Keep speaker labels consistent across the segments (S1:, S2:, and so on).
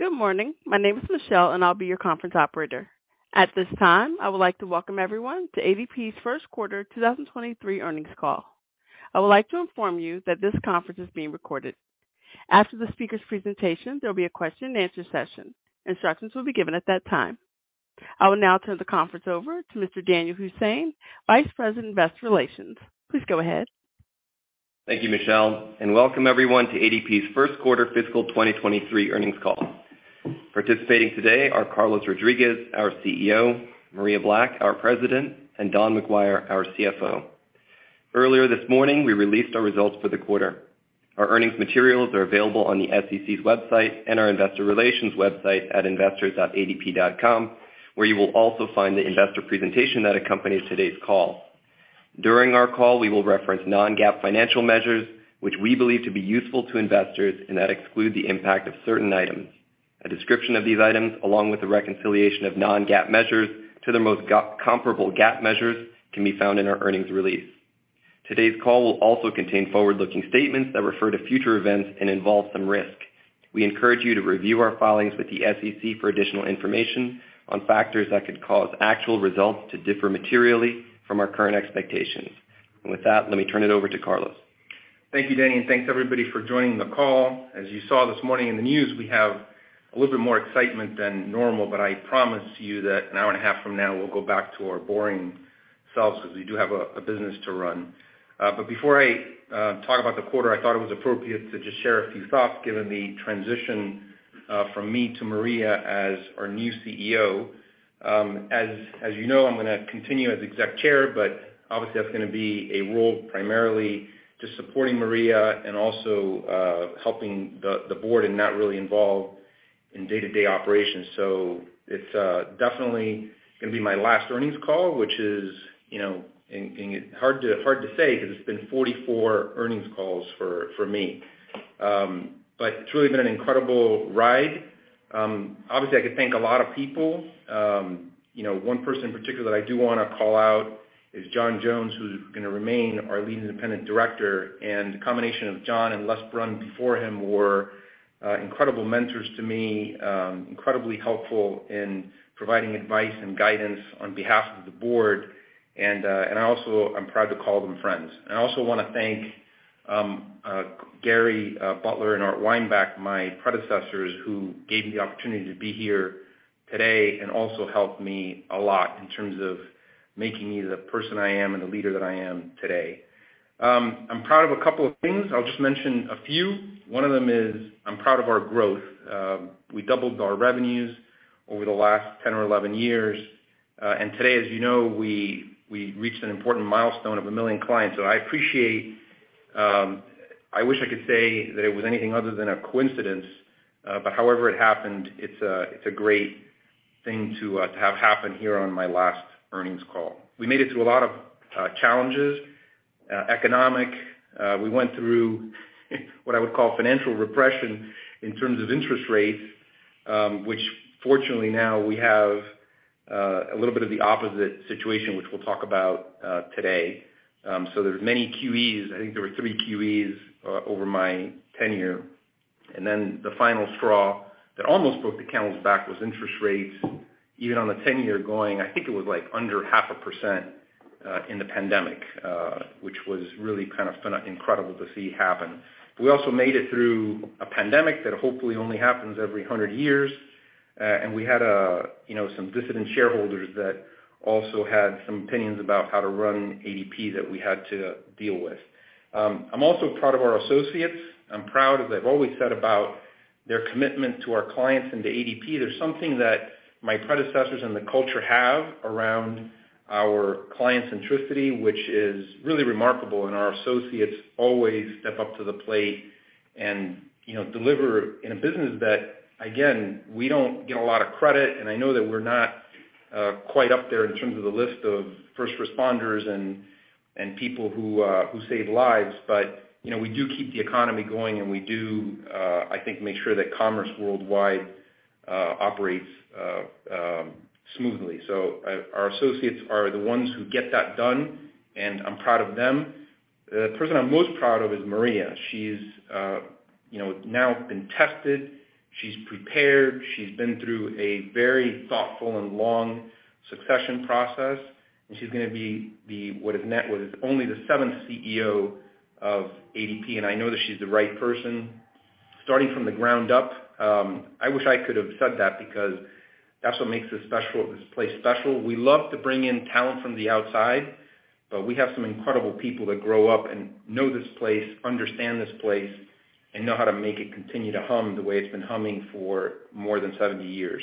S1: Good morning. My name is Michelle and I'll be your conference operator. At this time, I would like to welcome everyone to ADP's first quarter 2023 earnings call. I would like to inform you that this conference is being recorded. After the speaker's presentation, there'll be a question-and-answer session. Instructions will be given at that time. I will now turn the conference over to Mr. Danyal Hussain, Vice President, Investor Relations. Please go ahead.
S2: Thank you, Michelle and welcome everyone to ADP's first quarter fiscal 2023 earnings call. Participating today are Carlos Rodriguez, our CEO, Maria Black, our President and Don McGuire, our CFO. Earlier this morning, we released our results for the quarter. Our earnings materials are available on the SEC's website and our investor relations website at investors.adp.com, where you will also find the investor presentation that accompanies today's call. During our call, we will reference non-GAAP financial measures, which we believe to be useful to investors and that exclude the impact of certain items. A description of these items, along with the reconciliation of non-GAAP measures to their most comparable GAAP measures, can be found in our earnings release. Today's call will also contain forward-looking statements that refer to future events and involve some risk. We encourage you to review our filings with the SEC for additional information on factors that could cause actual results to differ materially from our current expectations. With that, let me turn it over to Carlos.
S3: Thank you, Danny and thanks everybody for joining the call. As you saw this morning in the news, we have a little bit more excitement than normal but I promise you that an hour and a half from now, we'll go back to our boring selves because we do have a business to run. Before I talk about the quarter, I thought it was appropriate to just share a few thoughts given the transition from me to Maria as our new CEO. As you know, I'm gonna continue as Executive Chair but obviously that's gonna be a role primarily just supporting Maria and also helping the board and not really involved in day-to-day operations. It's definitely gonna be my last earnings call, which is hard to say because it's been 44 earnings calls for me. It's really been an incredible ride. Obviously, I could thank a lot of people. One person in particular that I do wanna call out is John Jones, who's gonna remain our Lead Independent Director. The combination of John and Les Brun before him were incredible mentors to me, incredibly helpful in providing advice and guidance on behalf of the board. I'm proud to call them friends. I also wanna thank Gary Butler and Art Weinbach, my predecessors, who gave me the opportunity to be here today and also helped me a lot in terms of making me the person I am and the leader that I am today. I'm proud of a couple of things. I'll just mention a few. One of them is, I'm proud of our growth. We doubled our revenues over the last 10 or 11 years and today, as you know, we reached an important milestone of 1 million clients. I appreciate. I wish I could say that it was anything other than a coincidence but however it happened, it's a great thing to have happen here on my last earnings call. We made it through a lot of economic challenges. We went through what I would call financial repression in terms of interest rates, which fortunately now we have a little bit of the opposite situation, which we'll talk about today. There's many QEs. I think there were three QEs over my tenure. Then the final straw that almost broke the camel's back was interest rates, even on the 10-year going, I think it was like under 0.5% in the pandemic, which was really kind of incredible to see happen. We also made it through a pandemic that hopefully only happens every 100 years and we had you know, some dissident shareholders that also had some opinions about how to run ADP that we had to deal with. I'm also proud of our associates. I'm proud, as I've always said, about their commitment to our clients and to ADP. There's something that my predecessors and the culture have around our client centricity, which is really remarkable and our associates always step up to the plate and, you know, deliver in a business that, again, we don't get a lot of credit. I know that we're not quite up there in terms of the list of first responders and people who who save lives. You know, we do keep the economy going and we do I think make sure that commerce worldwide operates smoothly. Our associates are the ones who get that done and I'm proud of them. The person I'm most proud of is Maria. She's, you know, now been tested. She's prepared. She's been through a very thoughtful and long succession process and she's gonna be the next only the seventh CEO of ADP and I know that she's the right person. Starting from the ground up, I wish I could have said that because that's what makes this special, this place special. We love to bring in talent from the outside but we have some incredible people that grow up and know this place, understand this place and know how to make it continue to hum the way it's been humming for more than 70 years.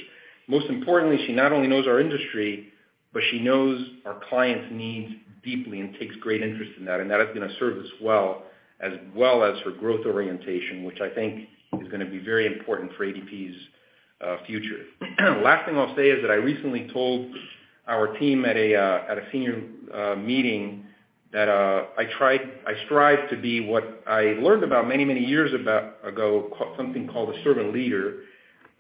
S3: Most importantly, she not only knows our industry but she knows our clients' needs deeply and takes great interest in that and that is gonna serve us well, as well as her growth orientation, which I think is gonna be very important for ADP's future. Last thing I'll say is that I recently told our team at a senior meeting that I strive to be what I learned about many years ago, something called a servant leader.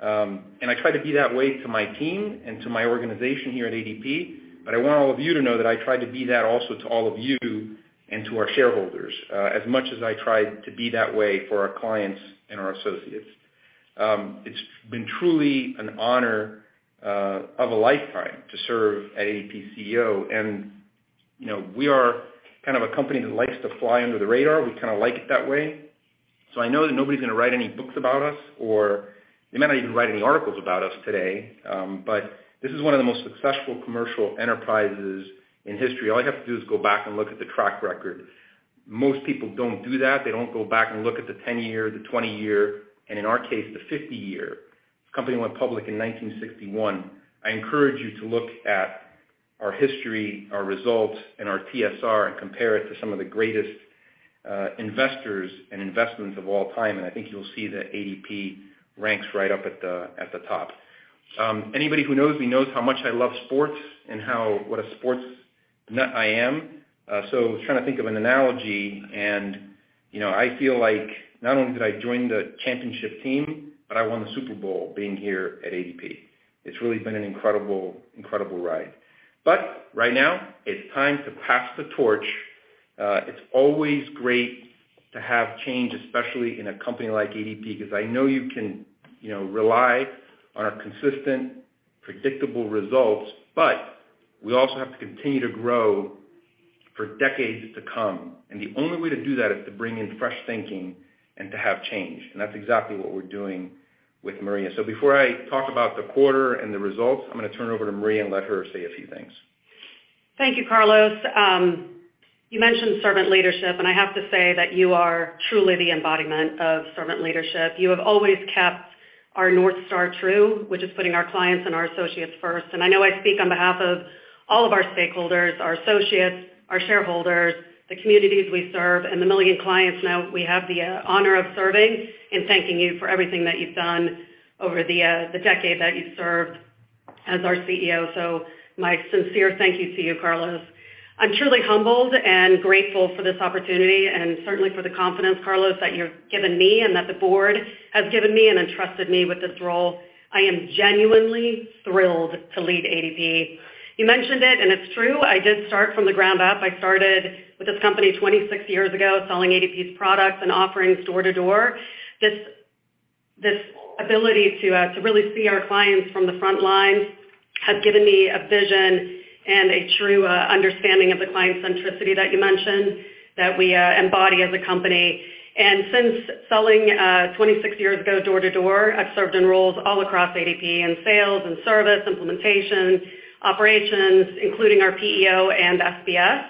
S3: I try to be that way to my team and to my organization here at ADP. I want all of you to know that I try to be that also to all of you and to our shareholders, as much as I tried to be that way for our clients and our associates. It's been truly an honor of a lifetime to serve as ADP CEO and we are kind of a company that likes to fly under the radar. We kind of like it that way. I know that nobody's going to write any books about us or they might not even write any articles about us today but this is one of the most successful commercial enterprises in history. All you have to do is go back and look at the track record. Most people don't do that. They don't go back and look at the 10-year, the 20-year and in our case, the 50-year. This company went public in 1961. I encourage you to look at our history, our results and our TSR and compare it to some of the greatest investors and investments of all time. I think you'll see that ADP ranks right up at the top. Anybody who knows me knows how much I love sports and what a sports nut I am. I was trying to think of an analogy and, you know, I feel like not only did I join the championship team but I won the Super Bowl being here at ADP. It's really been an incredible ride. Right now, it's time to pass the torch. It's always great to have change, especially in a company like ADP, 'cause I know you can, you know, rely on our consistent, predictable results but we also have to continue to grow for decades to come. The only way to do that is to bring in fresh thinking and to have change. That's exactly what we're doing with Maria. Before I talk about the quarter and the results, I'm gonna turn it over to Maria and let her say a few things.
S4: Thank you, Carlos. You mentioned servant leadership and I have to say that you are truly the embodiment of servant leadership. You have always kept our North Star true, which is putting our clients and our associates first. I know I speak on behalf of all of our stakeholders, our associates, our shareholders, the communities we serve and 1 million clients now we have the honor of serving in thanking you for everything that you've done over the decade that you served as our CEO. My sincere thank you to you, Carlos. I'm truly humbled and grateful for this opportunity and certainly for the confidence, Carlos, that you've given me and that the board has given me and entrusted me with this role. I am genuinely thrilled to lead ADP. You mentioned it and it's true, I did start from the ground up. I started with this company 26 years ago, selling ADP's products and offerings door to door. This ability to really see our clients from the front lines has given me a vision and a true understanding of the client centricity that you mentioned that we embody as a company. Since selling 26 years ago door to door, I've served in roles all across ADP in sales and service, implementation, operations, including our PEO and SBS.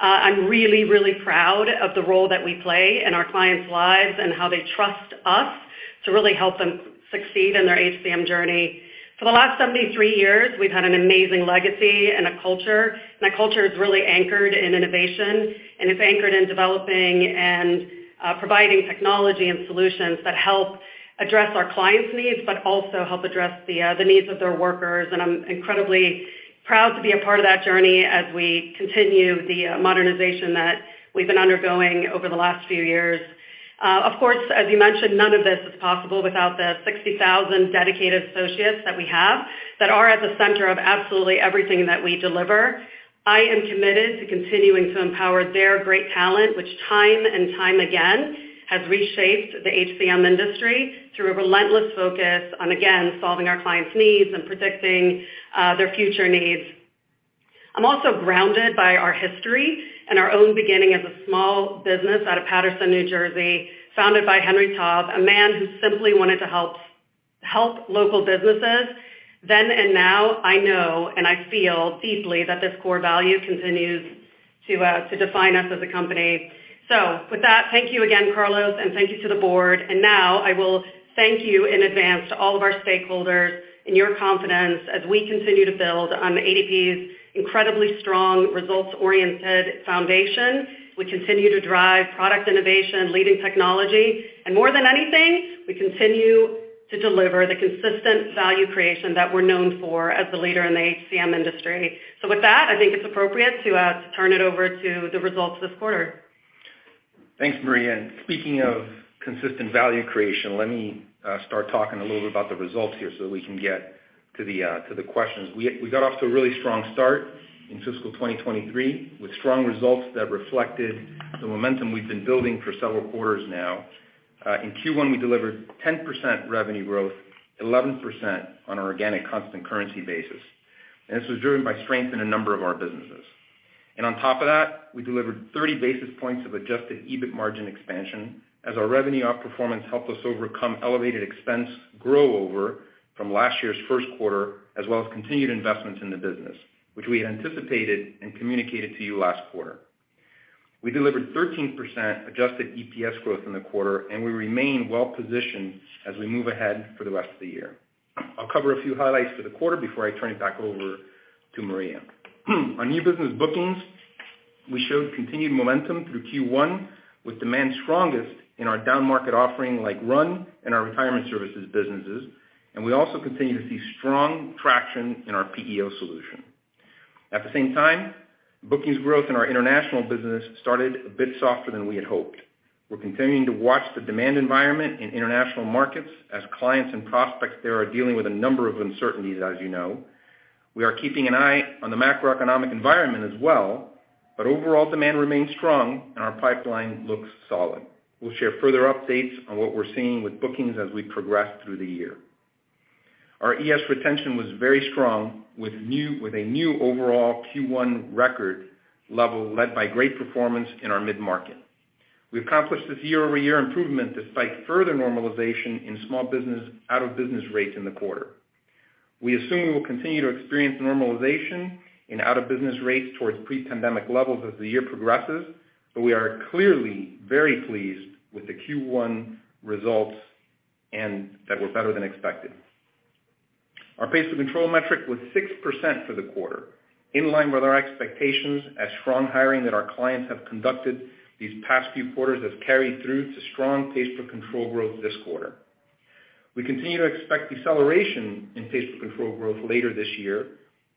S4: I'm really proud of the role that we play in our clients' lives and how they trust us to really help them succeed in their HCM journey. For the last 73 years, we've had an amazing legacy and a culture and that culture is really anchored in innovation and it's anchored in developing and providing technology and solutions that help address our clients' needs but also help address the needs of their workers. I'm incredibly proud to be a part of that journey as we continue the modernization that we've been undergoing over the last few years. Of course, as you mentioned, none of this is possible without the 60,000 dedicated associates that we have that are at the center of absolutely everything that we deliver. I am committed to continuing to empower their great talent, which time and time again has reshaped the HCM industry through a relentless focus on, again, solving our clients' needs and predicting their future needs. I'm also grounded by our history and our own beginning as a small business out of Paterson, New Jersey, founded by Henry Taub, a man who simply wanted to help local businesses. Then and now, I know and I feel deeply that this core value continues to define us as a company. With that, thank you again, Carlos and thank you to the board. Now I will thank you in advance to all of our stakeholders and your confidence as we continue to build on ADP's incredibly strong, results-oriented foundation. We continue to drive product innovation and leading technology and more than anything, we continue to deliver the consistent value creation that we're known for as the leader in the HCM industry. With that, I think it's appropriate to turn it over to the results this quarter.
S3: Thanks, Maria. Speaking of consistent value creation, let me start talking a little bit about the results here so we can get to the questions. We got off to a really strong start in fiscal 2023 with strong results that reflected the momentum we've been building for several quarters now. In Q1, we delivered 10% revenue growth, 11% on an organic constant currency basis. This was driven by strength in a number of our businesses. On top of that, we delivered 30 basis points of adjusted EBIT margin expansion as our revenue outperformance helped us overcome elevated expense growth over from last year's first quarter, as well as continued investments in the business, which we had anticipated and communicated to you last quarter. We delivered 13% adjusted EPS growth in the quarter and we remain well-positioned as we move ahead for the rest of the year. I'll cover a few highlights for the quarter before I turn it back over to Maria. On new business bookings, we showed continued momentum through Q1, with demand strongest in our downmarket offering like RUN and our retirement services businesses. We also continue to see strong traction in our PEO solution. At the same time, bookings growth in our international business started a bit softer than we had hoped. We're continuing to watch the demand environment in international markets as clients and prospects there are dealing with a number of uncertainties, as you know. We are keeping an eye on the macroeconomic environment as well but overall demand remains strong and our pipeline looks solid. We'll share further updates on what we're seeing with bookings as we progress through the year. Our ES retention was very strong with a new overall Q1 record level led by great performance in our mid-market. We've accomplished this year-over-year improvement despite further normalization in small business out-of-business rates in the quarter. We assume we will continue to experience normalization in out-of-business rates towards pre-pandemic levels as the year progresses but we are clearly very pleased with the Q1 results and that were better than expected. Our pays per control metric was 6% for the quarter, in line with our expectations as strong hiring that our clients have conducted these past few quarters has carried through to strong pays per control growth this quarter. We continue to expect deceleration in pays per control growth later this year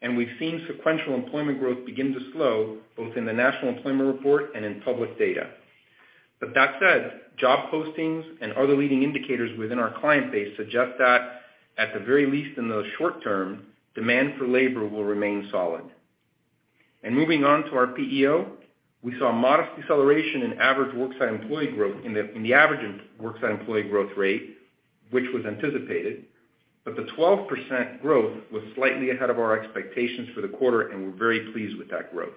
S3: and we've seen sequential employment growth begin to slow, both in the National Employment Report and in public data. That said, job postings and other leading indicators within our client base suggest that at the very least in the short term, demand for labor will remain solid. Moving on to our PEO, we saw a modest deceleration in average worksite employee growth in the average worksite employee growth rate, which was anticipated. The 12% growth was slightly ahead of our expectations for the quarter and we're very pleased with that growth.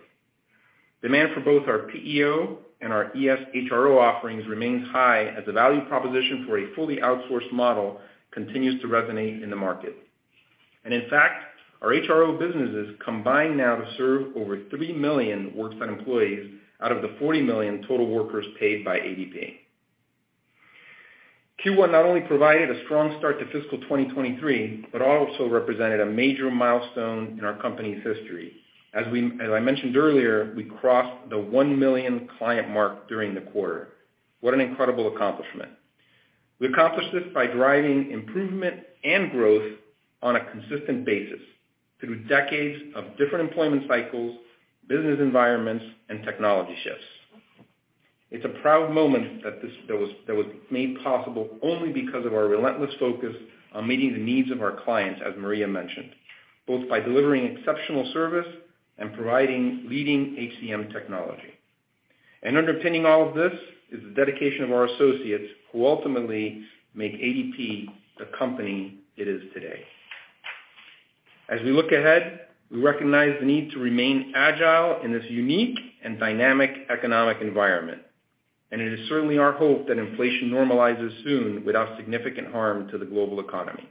S3: Demand for both our PEO and our ES HRO offerings remains high as the value proposition for a fully outsourced model continues to resonate in the market. In fact, our HRO businesses combine now to serve over 3 million worksite employees out of the 40 million total workers paid by ADP. Q1 not only provided a strong start to fiscal 2023 but also represented a major milestone in our company's history. As I mentioned earlier, we crossed the 1 million client mark during the quarter. What an incredible accomplishment. We accomplished this by driving improvement and growth on a consistent basis through decades of different employment cycles, business environments and technology shifts. It's a proud moment that was made possible only because of our relentless focus on meeting the needs of our clients, as Maria mentioned, both by delivering exceptional service and providing leading HCM technology. Underpinning all of this is the dedication of our associates who ultimately make ADP the company it is today. As we look ahead, we recognize the need to remain agile in this unique and dynamic economic environment and it is certainly our hope that inflation normalizes soon without significant harm to the global economy.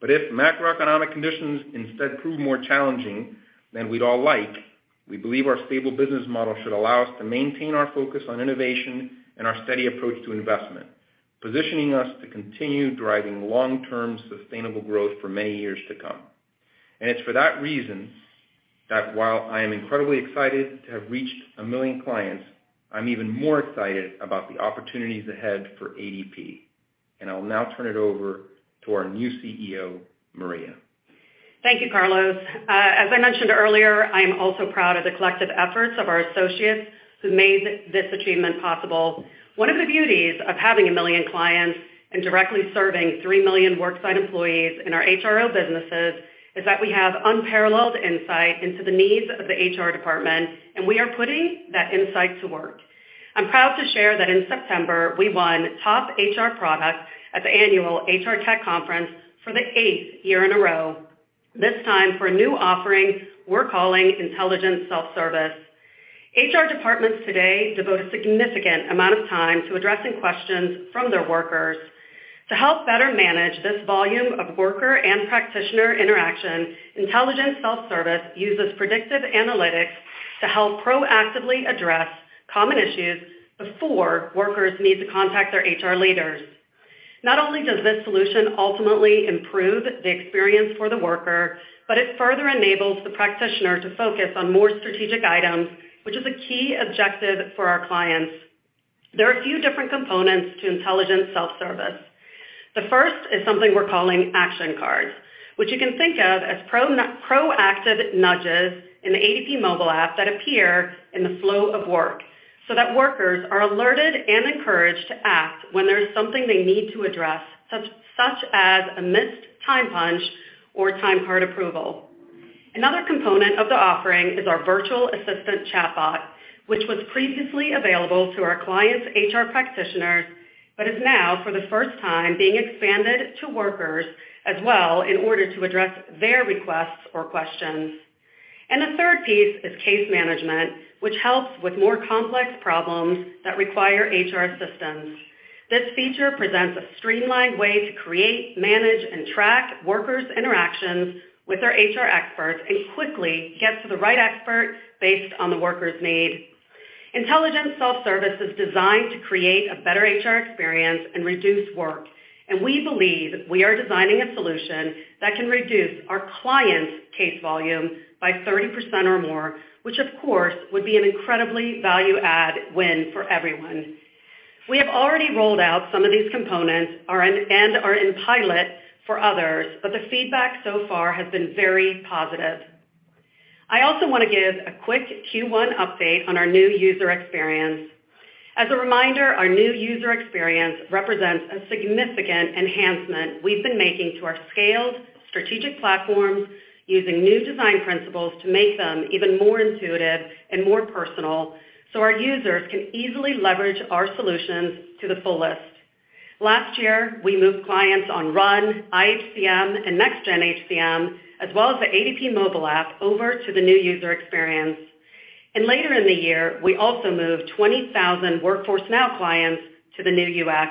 S3: If macroeconomic conditions instead prove more challenging than we'd all like, we believe our stable business model should allow us to maintain our focus on innovation and our steady approach to investment, positioning us to continue driving long-term sustainable growth for many years to come. It's for that reason that while I am incredibly excited to have reached 1 million clients, I'm even more excited about the opportunities ahead for ADP. I will now turn it over to our new CEO, Maria.
S4: Thank you, Carlos. As I mentioned earlier, I am also proud of the collective efforts of our associates who made this achievement possible. One of the beauties of having 1 million clients and directly serving 3 million worksite employees in our HRO businesses is that we have unparalleled insight into the needs of the HR department and we are putting that insight to work. I'm proud to share that in September, we won Top HR Product at the annual HR Tech Conference for the eighth year in a row, this time for a new offering we're calling Intelligent Self-Service. HR departments today devote a significant amount of time to addressing questions from their workers. To help better manage this volume of worker and practitioner interaction, Intelligent Self-Service uses predictive analytics to help proactively address common issues before workers need to contact their HR leaders. Not only does this solution ultimately improve the experience for the worker but it further enables the practitioner to focus on more strategic items, which is a key objective for our clients. There are a few different components to Intelligent Self-Service. The first is something we're calling Action Cards, which you can think of as proactive nudges in the ADP mobile app that appear in the flow of work, so that workers are alerted and encouraged to act when there's something they need to address, such as a missed time punch or time card approval. Another component of the offering is our virtual assistant chatbot, which was previously available to our clients' HR practitioners but is now for the first time being expanded to workers as well in order to address their requests or questions. The third piece is Case Management, which helps with more complex problems that require HR assistance. This feature presents a streamlined way to create, manage and track workers' interactions with their HR experts and quickly gets to the right expert based on the worker's need. Intelligent Self-Service is designed to create a better HR experience and reduce work and we believe we are designing a solution that can reduce our clients' case volume by 30% or more, which of course, would be an incredibly value add win for everyone. We have already rolled out some of these components and are in pilot for others but the feedback so far has been very positive. I also want to give a quick Q1 update on our new user experience. As a reminder, our new user experience represents a significant enhancement we've been making to our scaled strategic platforms using new design principles to make them even more intuitive and more personal so our users can easily leverage our solutions to the fullest. Last year, we moved clients on RUN, iHCM and Next Gen HCM, as well as the ADP mobile app over to the new user experience. Later in the year, we also moved 20,000 Workforce Now clients to the new UX.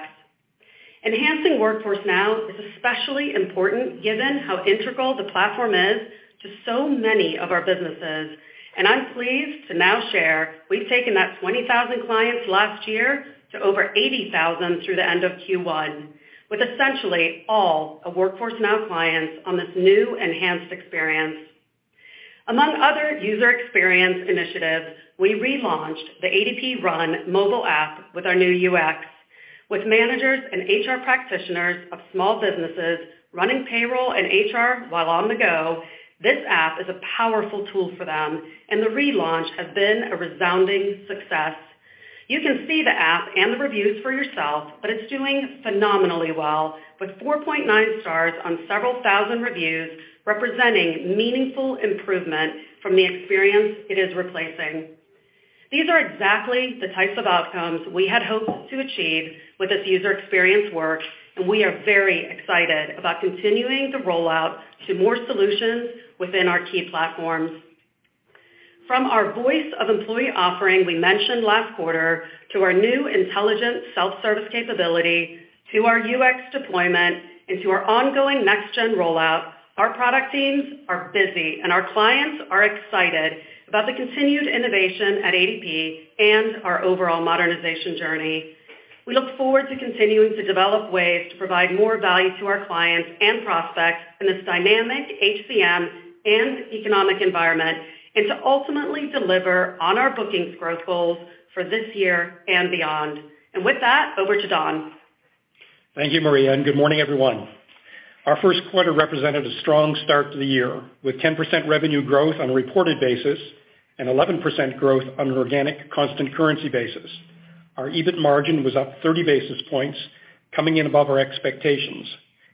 S4: Enhancing Workforce Now is especially important given how integral the platform is to so many of our businesses and I'm pleased to now share we've taken that 20,000 clients last year to over 80,000 through the end of Q1, with essentially all of Workforce Now clients on this new enhanced experience. Among other user experience initiatives, we relaunched the ADP RUN mobile app with our new UX. With managers and HR practitioners of small businesses running payroll and HR while on the go, this app is a powerful tool for them and the relaunch has been a resounding success. You can see the app and the reviews for yourself but it's doing phenomenally well, with 4.9 stars on several thousand reviews, representing meaningful improvement from the experience it is replacing. These are exactly the types of outcomes we had hoped to achieve with this user experience work and we are very excited about continuing the rollout to more solutions within our key platforms. From our Voice of the Employee offering we mentioned last quarter, to our new Intelligent Self-Service capability, to our UX deployment and to our ongoing Next Gen rollout, our product teams are busy and our clients are excited about the continued innovation at ADP and our overall modernization journey. We look forward to continuing to develop ways to provide more value to our clients and prospects in this dynamic HCM and economic environment and to ultimately deliver on our bookings growth goals for this year and beyond. With that, over to Don.
S5: Thank you, Maria and good morning, everyone. Our first quarter represented a strong start to the year, with 10% revenue growth on a reported basis and 11% growth on an organic constant currency basis. Our EBIT margin was up 30 basis points, coming in above our expectations,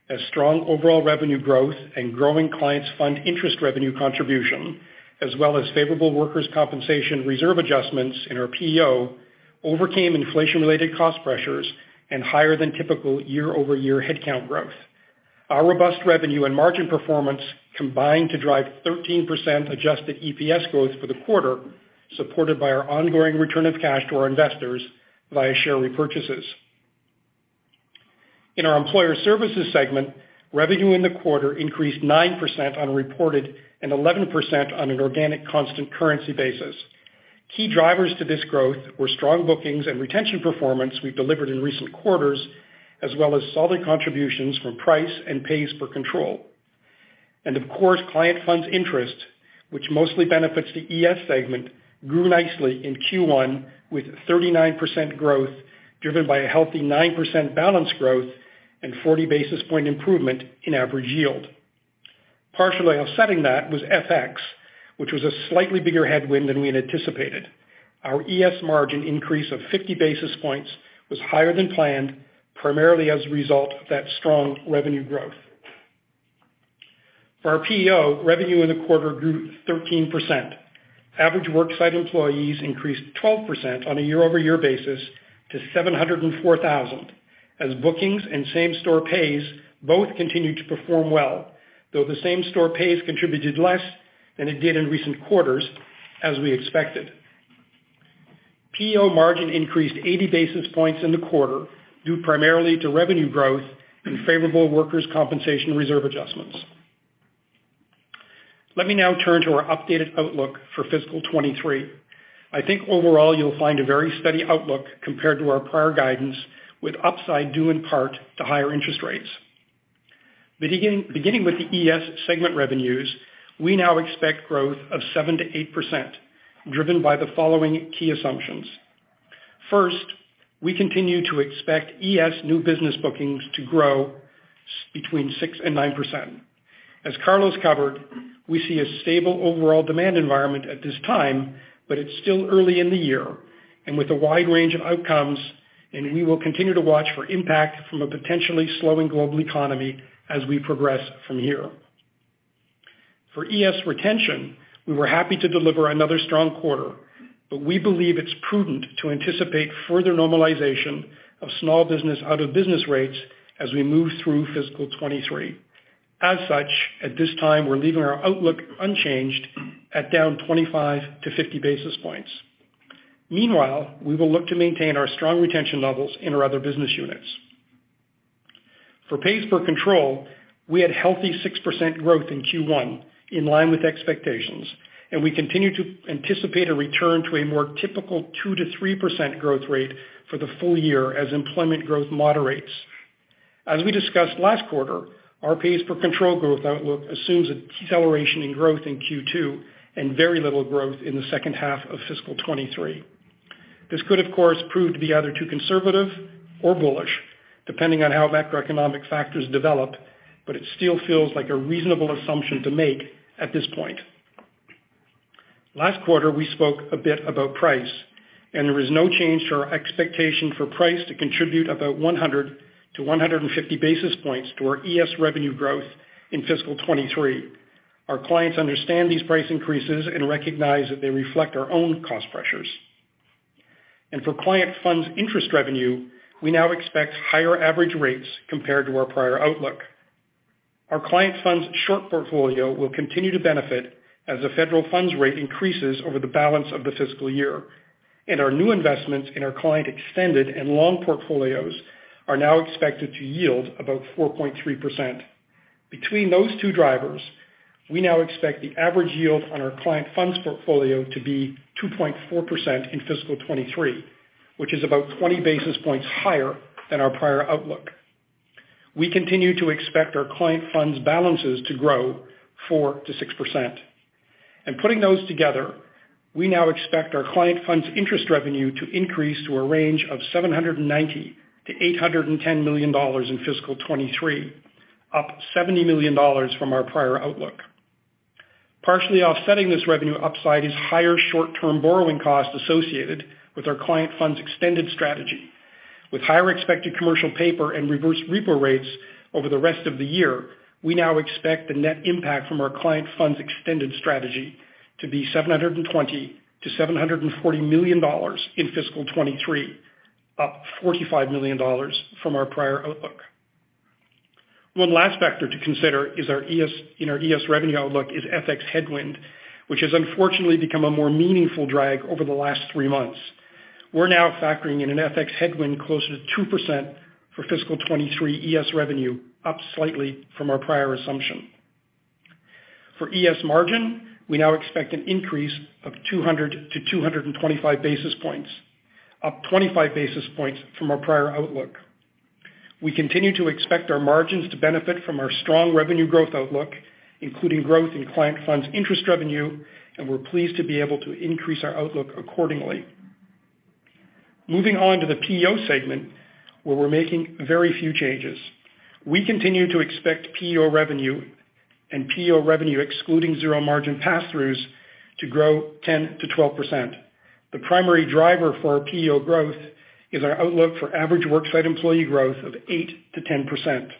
S5: as strong overall revenue growth and growing clients fund interest revenue contribution, as well as favorable workers' compensation reserve adjustments in our PEO overcame inflation-related cost pressures and higher than typical year-over-year headcount growth. Our robust revenue and margin performance combined to drive 13% adjusted EPS growth for the quarter, supported by our ongoing return of cash to our investors via share repurchases. In our Employer Services segment, revenue in the quarter increased 9% on reported and 11% on an organic constant currency basis. Key drivers to this growth were strong bookings and retention performance we've delivered in recent quarters, as well as solid contributions from price and pays per control. Of course, client funds interest, which mostly benefits the ES segment, grew nicely in Q1 with 39% growth, driven by a healthy 9% balance growth and 40 basis point improvement in average yield. Partially offsetting that was FX, which was a slightly bigger headwind than we had anticipated. Our ES margin increase of 50 basis points was higher than planned, primarily as a result of that strong revenue growth. For our PEO, revenue in the quarter grew 13%. Average worksite employees increased 12% on a year-over-year basis to 704,000, as bookings and same-store pays both continued to perform well, though the same-store pays contributed less than it did in recent quarters, as we expected. PEO margin increased 80 basis points in the quarter due primarily to revenue growth and favorable workers' compensation reserve adjustments. Let me now turn to our updated outlook for fiscal 2023. I think overall you'll find a very steady outlook compared to our prior guidance, with upside due in part to higher interest rates. Beginning with the ES segment revenues, we now expect growth of 7%-8%, driven by the following key assumptions. First, we continue to expect ES new business bookings to grow between 6% and 9%. As Carlos covered, we see a stable overall demand environment at this time but it's still early in the year and with a wide range of outcomes and we will continue to watch for impact from a potentially slowing global economy as we progress from here. For ES retention, we were happy to deliver another strong quarter but we believe it's prudent to anticipate further normalization of small business out-of-business rates as we move through fiscal 2023. As such, at this time, we're leaving our outlook unchanged at down 25-50 basis points. Meanwhile, we will look to maintain our strong retention levels in our other business units. For pays per control, we had healthy 6% growth in Q1, in line with expectations and we continue to anticipate a return to a more typical 2%-3% growth rate for the full year as employment growth moderates. As we discussed last quarter, our pays per control growth outlook assumes a deceleration in growth in Q2 and very little growth in the second half of fiscal 2023. This could, of course, prove to be either too conservative or bullish depending on how macroeconomic factors develop but it still feels like a reasonable assumption to make at this point. Last quarter, we spoke a bit about price and there is no change to our expectation for price to contribute about 100-150 basis points to our ES revenue growth in fiscal 2023. Our clients understand these price increases and recognize that they reflect our own cost pressures. For client funds interest revenue, we now expect higher average rates compared to our prior outlook. Our client funds short portfolio will continue to benefit as the federal funds rate increases over the balance of the fiscal year. Our new investments in our client extended and long portfolios are now expected to yield about 4.3%. Between those two drivers, we now expect the average yield on our client funds portfolio to be 2.4% in fiscal 2023, which is about 20 basis points higher than our prior outlook. We continue to expect our client funds balances to grow 4%-6%. Putting those together, we now expect our client funds interest revenue to increase to a range of $790 million-$810 million in fiscal 2023, up $70 million from our prior outlook. Partially offsetting this revenue upside is higher short-term borrowing costs associated with our client funds extended strategy. With higher expected commercial paper and reverse repo rates over the rest of the year, we now expect the net impact from our client funds extended strategy to be $720 million-$740 million in fiscal 2023, up $45 million from our prior outlook. One last factor to consider is our ES revenue outlook is FX headwind, which has unfortunately become a more meaningful drag over the last three months. We're now factoring in an FX headwind closer to 2% for fiscal 2023 ES revenue, up slightly from our prior assumption. For ES margin, we now expect an increase of 200-225 basis points, up 25 basis points from our prior outlook. We continue to expect our margins to benefit from our strong revenue growth outlook, including growth in client funds interest revenue and we're pleased to be able to increase our outlook accordingly. Moving on to the PEO segment, where we're making very few changes. We continue to expect PEO revenue and PEO revenue excluding zero margin passthroughs to grow 10%-12%. The primary driver for our PEO growth is our outlook for average worksite employee growth of 8%-10%.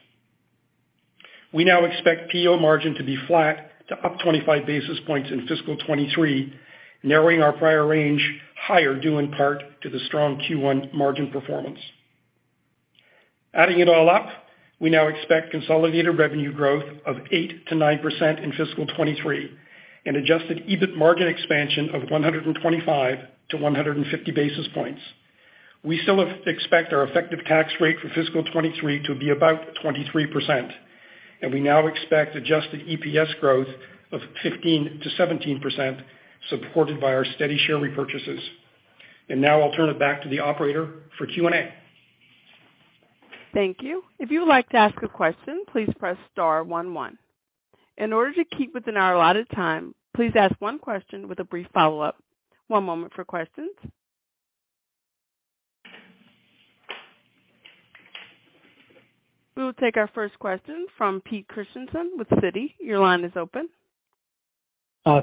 S5: We now expect PEO margin to be flat to up 25 basis points in fiscal 2023, narrowing our prior range higher, due in part to the strong Q1 margin performance. Adding it all up, we now expect consolidated revenue growth of 8%-9% in fiscal 2023 and adjusted EBIT margin expansion of 125-150 basis points. We expect our effective tax rate for fiscal 2023 to be about 23% and we now expect adjusted EPS growth of 15%-17%, supported by our steady share repurchases. Now I'll turn it back to the operator for Q&A.
S1: Thank you. If you would like to ask a question, please press star one one. In order to keep within our allotted time, please ask one question with a brief follow-up. One moment for questions. We will take our first question from Peter Christiansen with Citi. Your line is open.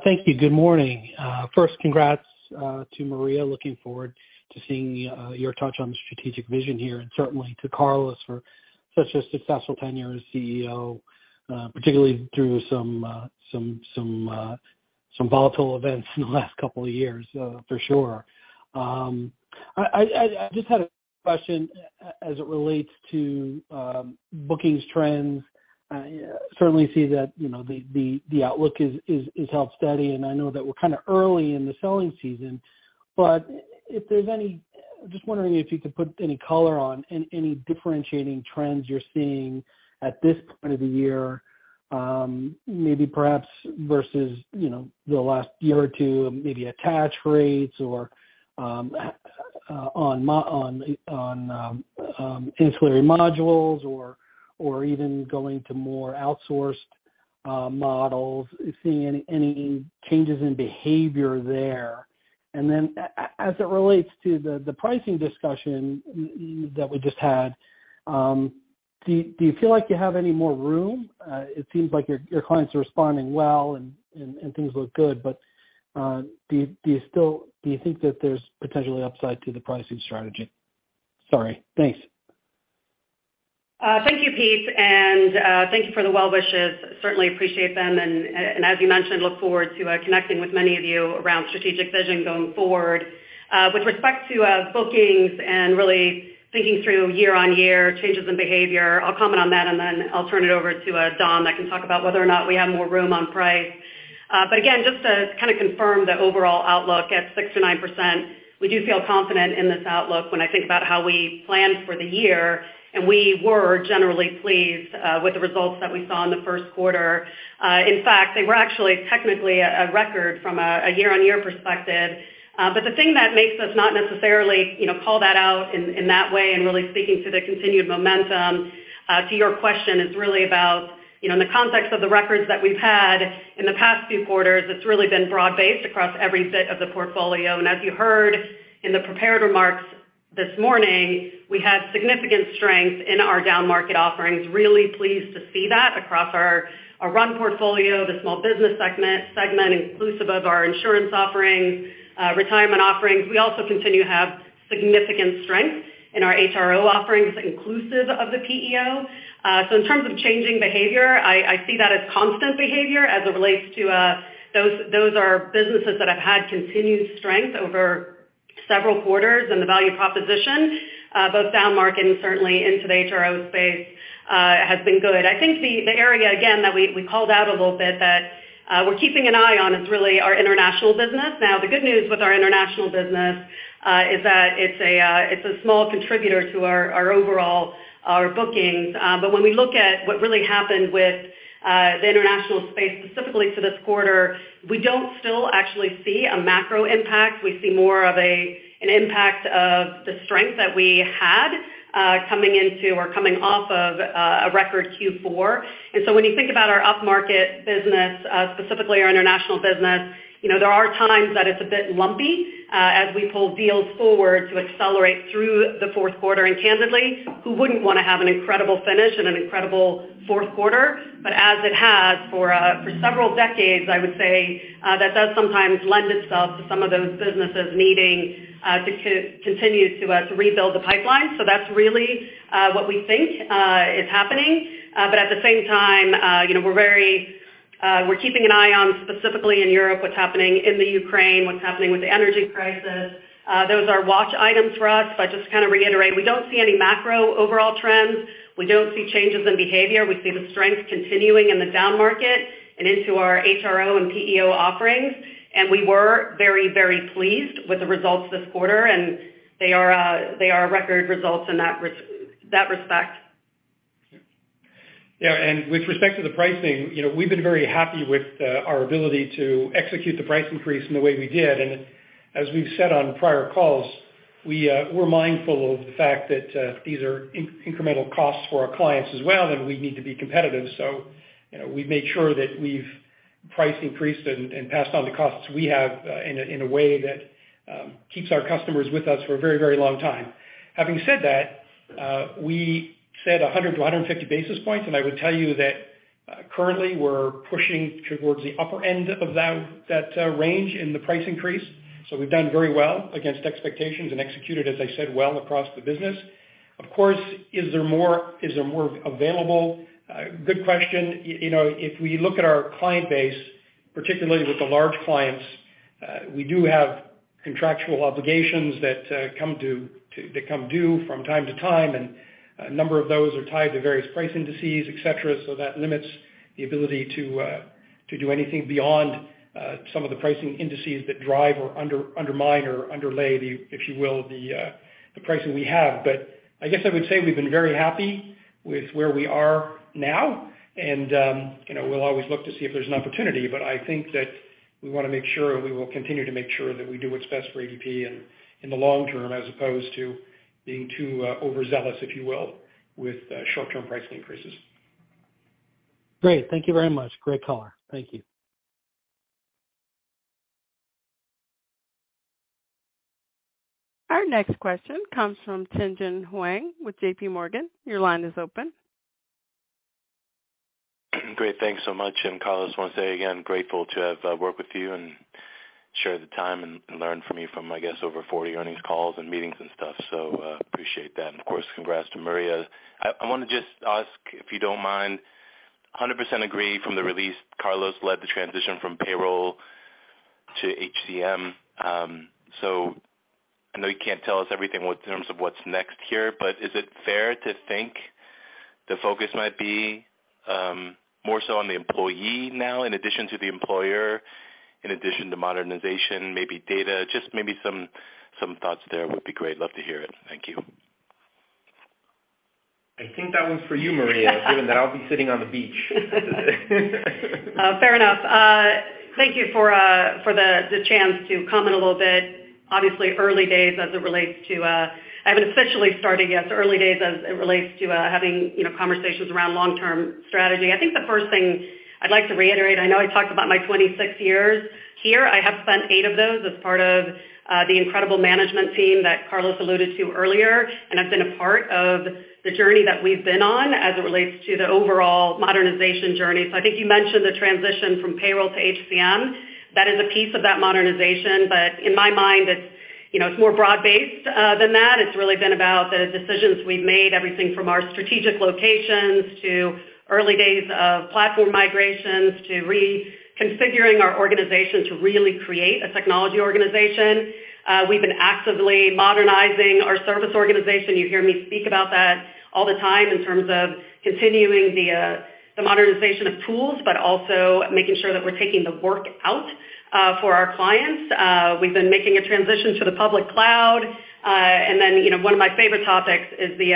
S6: Thank you. Good morning. First, congrats to Maria. Looking forward to seeing your touch on the strategic vision here and certainly to Carlos for such a successful tenure as CEO, particularly through some volatile events in the last couple of years, for sure. I just had a question as it relates to bookings trends. I certainly see that, you know, the outlook is held steady and I know that we're kind of early in the selling season. If there's just wondering if you could put any color on any differentiating trends you're seeing at this point of the year, maybe perhaps versus, you know, the last year or two, maybe attach rates or on ancillary modules or even going to more outsourced models, seeing any changes in behavior there. As it relates to the pricing discussion that we just had, do you feel like you have any more room? It seems like your clients are responding well and things look good. Do you think that there's potentially upside to the pricing strategy? Sorry. Thanks.
S4: Thank you, Pete. Thank you for the well wishes. Certainly appreciate them. As you mentioned, look forward to connecting with many of you around strategic vision going forward. With respect to bookings and really thinking through year-on-year changes in behavior, I'll comment on that and then I'll turn it over to Don that can talk about whether or not we have more room on price. Again, just to kind of confirm the overall outlook at 6%-9%, we do feel confident in this outlook when I think about how we planned for the year and we were generally pleased with the results that we saw in the first quarter. In fact, they were actually technically a record from a year-on-year perspective. The thing that makes us not necessarily, you know, call that out in that way and really speaking to the continued momentum. To your question, it's really about, you know, in the context of the results that we've had in the past few quarters, it's really been broad-based across every bit of the portfolio. As you heard in the prepared remarks this morning, we had significant strength in our downmarket offerings. Really pleased to see that across our RUN portfolio, the small business segment inclusive of our insurance offerings, retirement offerings. We also continue to have significant strength in our HRO offerings inclusive of the PEO. In terms of changing behavior, I see that as constant behavior as it relates to those. Those are businesses that have had continued strength over several quarters in the value proposition, both downmarket and certainly into the HRO space has been good. I think the area again that we called out a little bit that we're keeping an eye on is really our international business. Now, the good news with our international business is that it's a small contributor to our overall bookings. But when we look at what really happened with the international space specifically for this quarter, we don't still actually see a macro impact. We see more of an impact of the strength that we had coming into or coming off of a record Q4. When you think about our upmarket business, specifically our international business, you know, there are times that it's a bit lumpy as we pull deals forward to accelerate through the fourth quarter. Candidly, who wouldn't wanna have an incredible finish and an incredible fourth quarter? As it has for several decades, I would say, that does sometimes lend itself to some of those businesses needing to continue to rebuild the pipeline. That's really what we think is happening. At the same time, you know, we're keeping an eye on specifically in Europe, what's happening in the Ukraine, what's happening with the energy crisis. Those are watch items for us. I just kind of reiterate, we don't see any macro overall trends. We don't see changes in behavior. We see the strength continuing in the down market and into our HRO and PEO offerings. We were very, very pleased with the results this quarter and they are record results in that respect.
S5: Yeah, with respect to the pricing, you know, we've been very happy with our ability to execute the price increase in the way we did. As we've said on prior calls, we're mindful of the fact that these are incremental costs for our clients as well and we need to be competitive. You know, we've made sure that we've price increased and passed on the costs we have in a way that keeps our customers with us for a very long time. Having said that, we said 100 to 150 basis points and I would tell you that currently we're pushing towards the upper end of that range in the price increase. We've done very well against expectations and executed, as I said, well across the business. Of course, is there more available? Good question. You know, if we look at our client base, particularly with the large clients, we do have contractual obligations that come due from time to time and a number of those are tied to various price indices, et cetera, so that limits the ability to do anything beyond some of the pricing indices that drive or underlie the, if you will, the pricing we have. I guess I would say we've been very happy with where we are now and, you know, we'll always look to see if there's an opportunity. I think that we wanna make sure and we will continue to make sure that we do what's best for ADP in the long term, as opposed to being too overzealous, if you will, with short-term price increases.
S6: Great. Thank you very much. Great call. Thank you.
S1: Our next question comes from Tien-Tsin Huang with JPMorgan. Your line is open.
S7: Great. Thanks so much. Carlos, I wanna say again, grateful to have worked with you and share the time and learn from you from, I guess, over 40 earnings calls and meetings and stuff. Appreciate that. Of course, congrats to Maria. I wanna just ask, if you don't mind, 100% agree from the release, Carlos led the transition from payroll to HCM. So I know you can't tell us everything in terms of what's next here but is it fair to think the focus might be more so on the employee now in addition to the employer, in addition to modernization, maybe data? Just maybe some thoughts there would be great. Love to hear it. Thank you.
S3: I think that one's for you, Maria. Given that I'll be sitting on the beach.
S4: Fair enough. Thank you for the chance to comment a little bit. Obviously, I haven't officially started yet, so early days as it relates to having, you know, conversations around long-term strategy. I think the first thing I'd like to reiterate, I know I talked about my 26 years here. I have spent 8 of those as part of the incredible management team that Carlos alluded to earlier and I've been a part of the journey that we've been on as it relates to the overall modernization journey. I think you mentioned the transition from payroll to HCM. That is a piece of that modernization but in my mind, it's, you know, it's more broad-based than that. It's really been about the decisions we've made, everything from our strategic locations to early days of platform migrations to reconfiguring our organization to really create a technology organization. We've been actively modernizing our service organization. You hear me speak about that all the time in terms of continuing the modernization of tools but also making sure that we're taking the work out for our clients. We've been making a transition to the public cloud. And then, you know, one of my favorite topics is the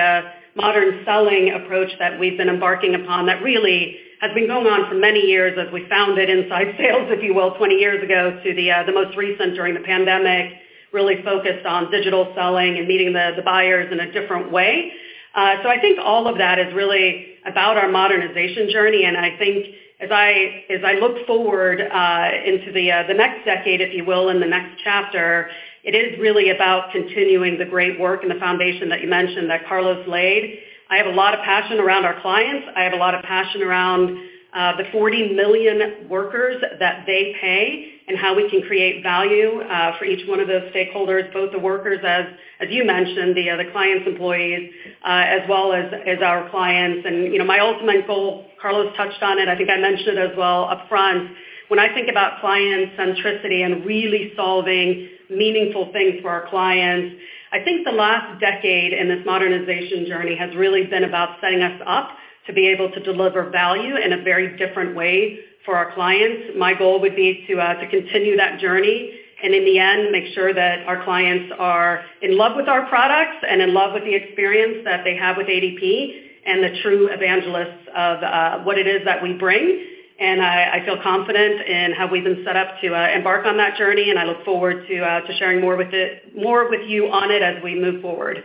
S4: modern selling approach that we've been embarking upon that really has been going on for many years as we founded inside sales if you will, 20 years ago, to the most recent during the pandemic. Really focused on digital selling and meeting the buyers in a different way. I think all of that is really about our modernization journey and I think as I look forward into the next decade, if you will and the next chapter, it is really about continuing the great work and the foundation that you mentioned that Carlos laid. I have a lot of passion around our clients. I have a lot of passion around the 40 million workers that they pay and how we can create value for each one of those stakeholders, both the workers, as you mentioned, the client's employees, as well as our clients. You know, my ultimate goal, Carlos touched on it, I think I mentioned it as well upfront. When I think about client centricity and really solving meaningful things for our clients, I think the last decade in this modernization journey has really been about setting us up to be able to deliver value in a very different way for our clients. My goal would be to continue that journey and in the end, make sure that our clients are in love with our products and in love with the experience that they have with ADP and the true evangelists of what it is that we bring. I feel confident in how we've been set up to embark on that journey and I look forward to sharing more with you on it as we move forward.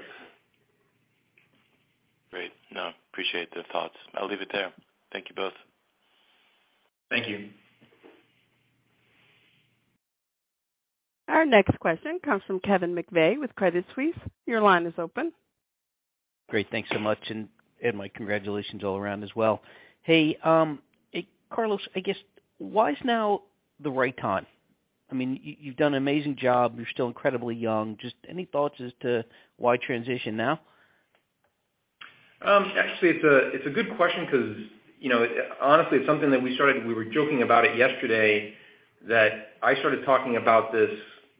S7: Great. No, appreciate the thoughts. I'll leave it there. Thank you both.
S3: Thank you.
S1: Our next question comes from Kevin McVeigh with Credit Suisse. Your line is open.
S8: Great. Thanks so much. My congratulations all around as well. Hey, Carlos, I guess why is now the right time? I mean, you've done an amazing job. You're still incredibly young. Just any thoughts as to why transition now?
S3: Actually, it's a good question because, you know, honestly, it's something that we started. We were joking about it yesterday, that I started talking about this,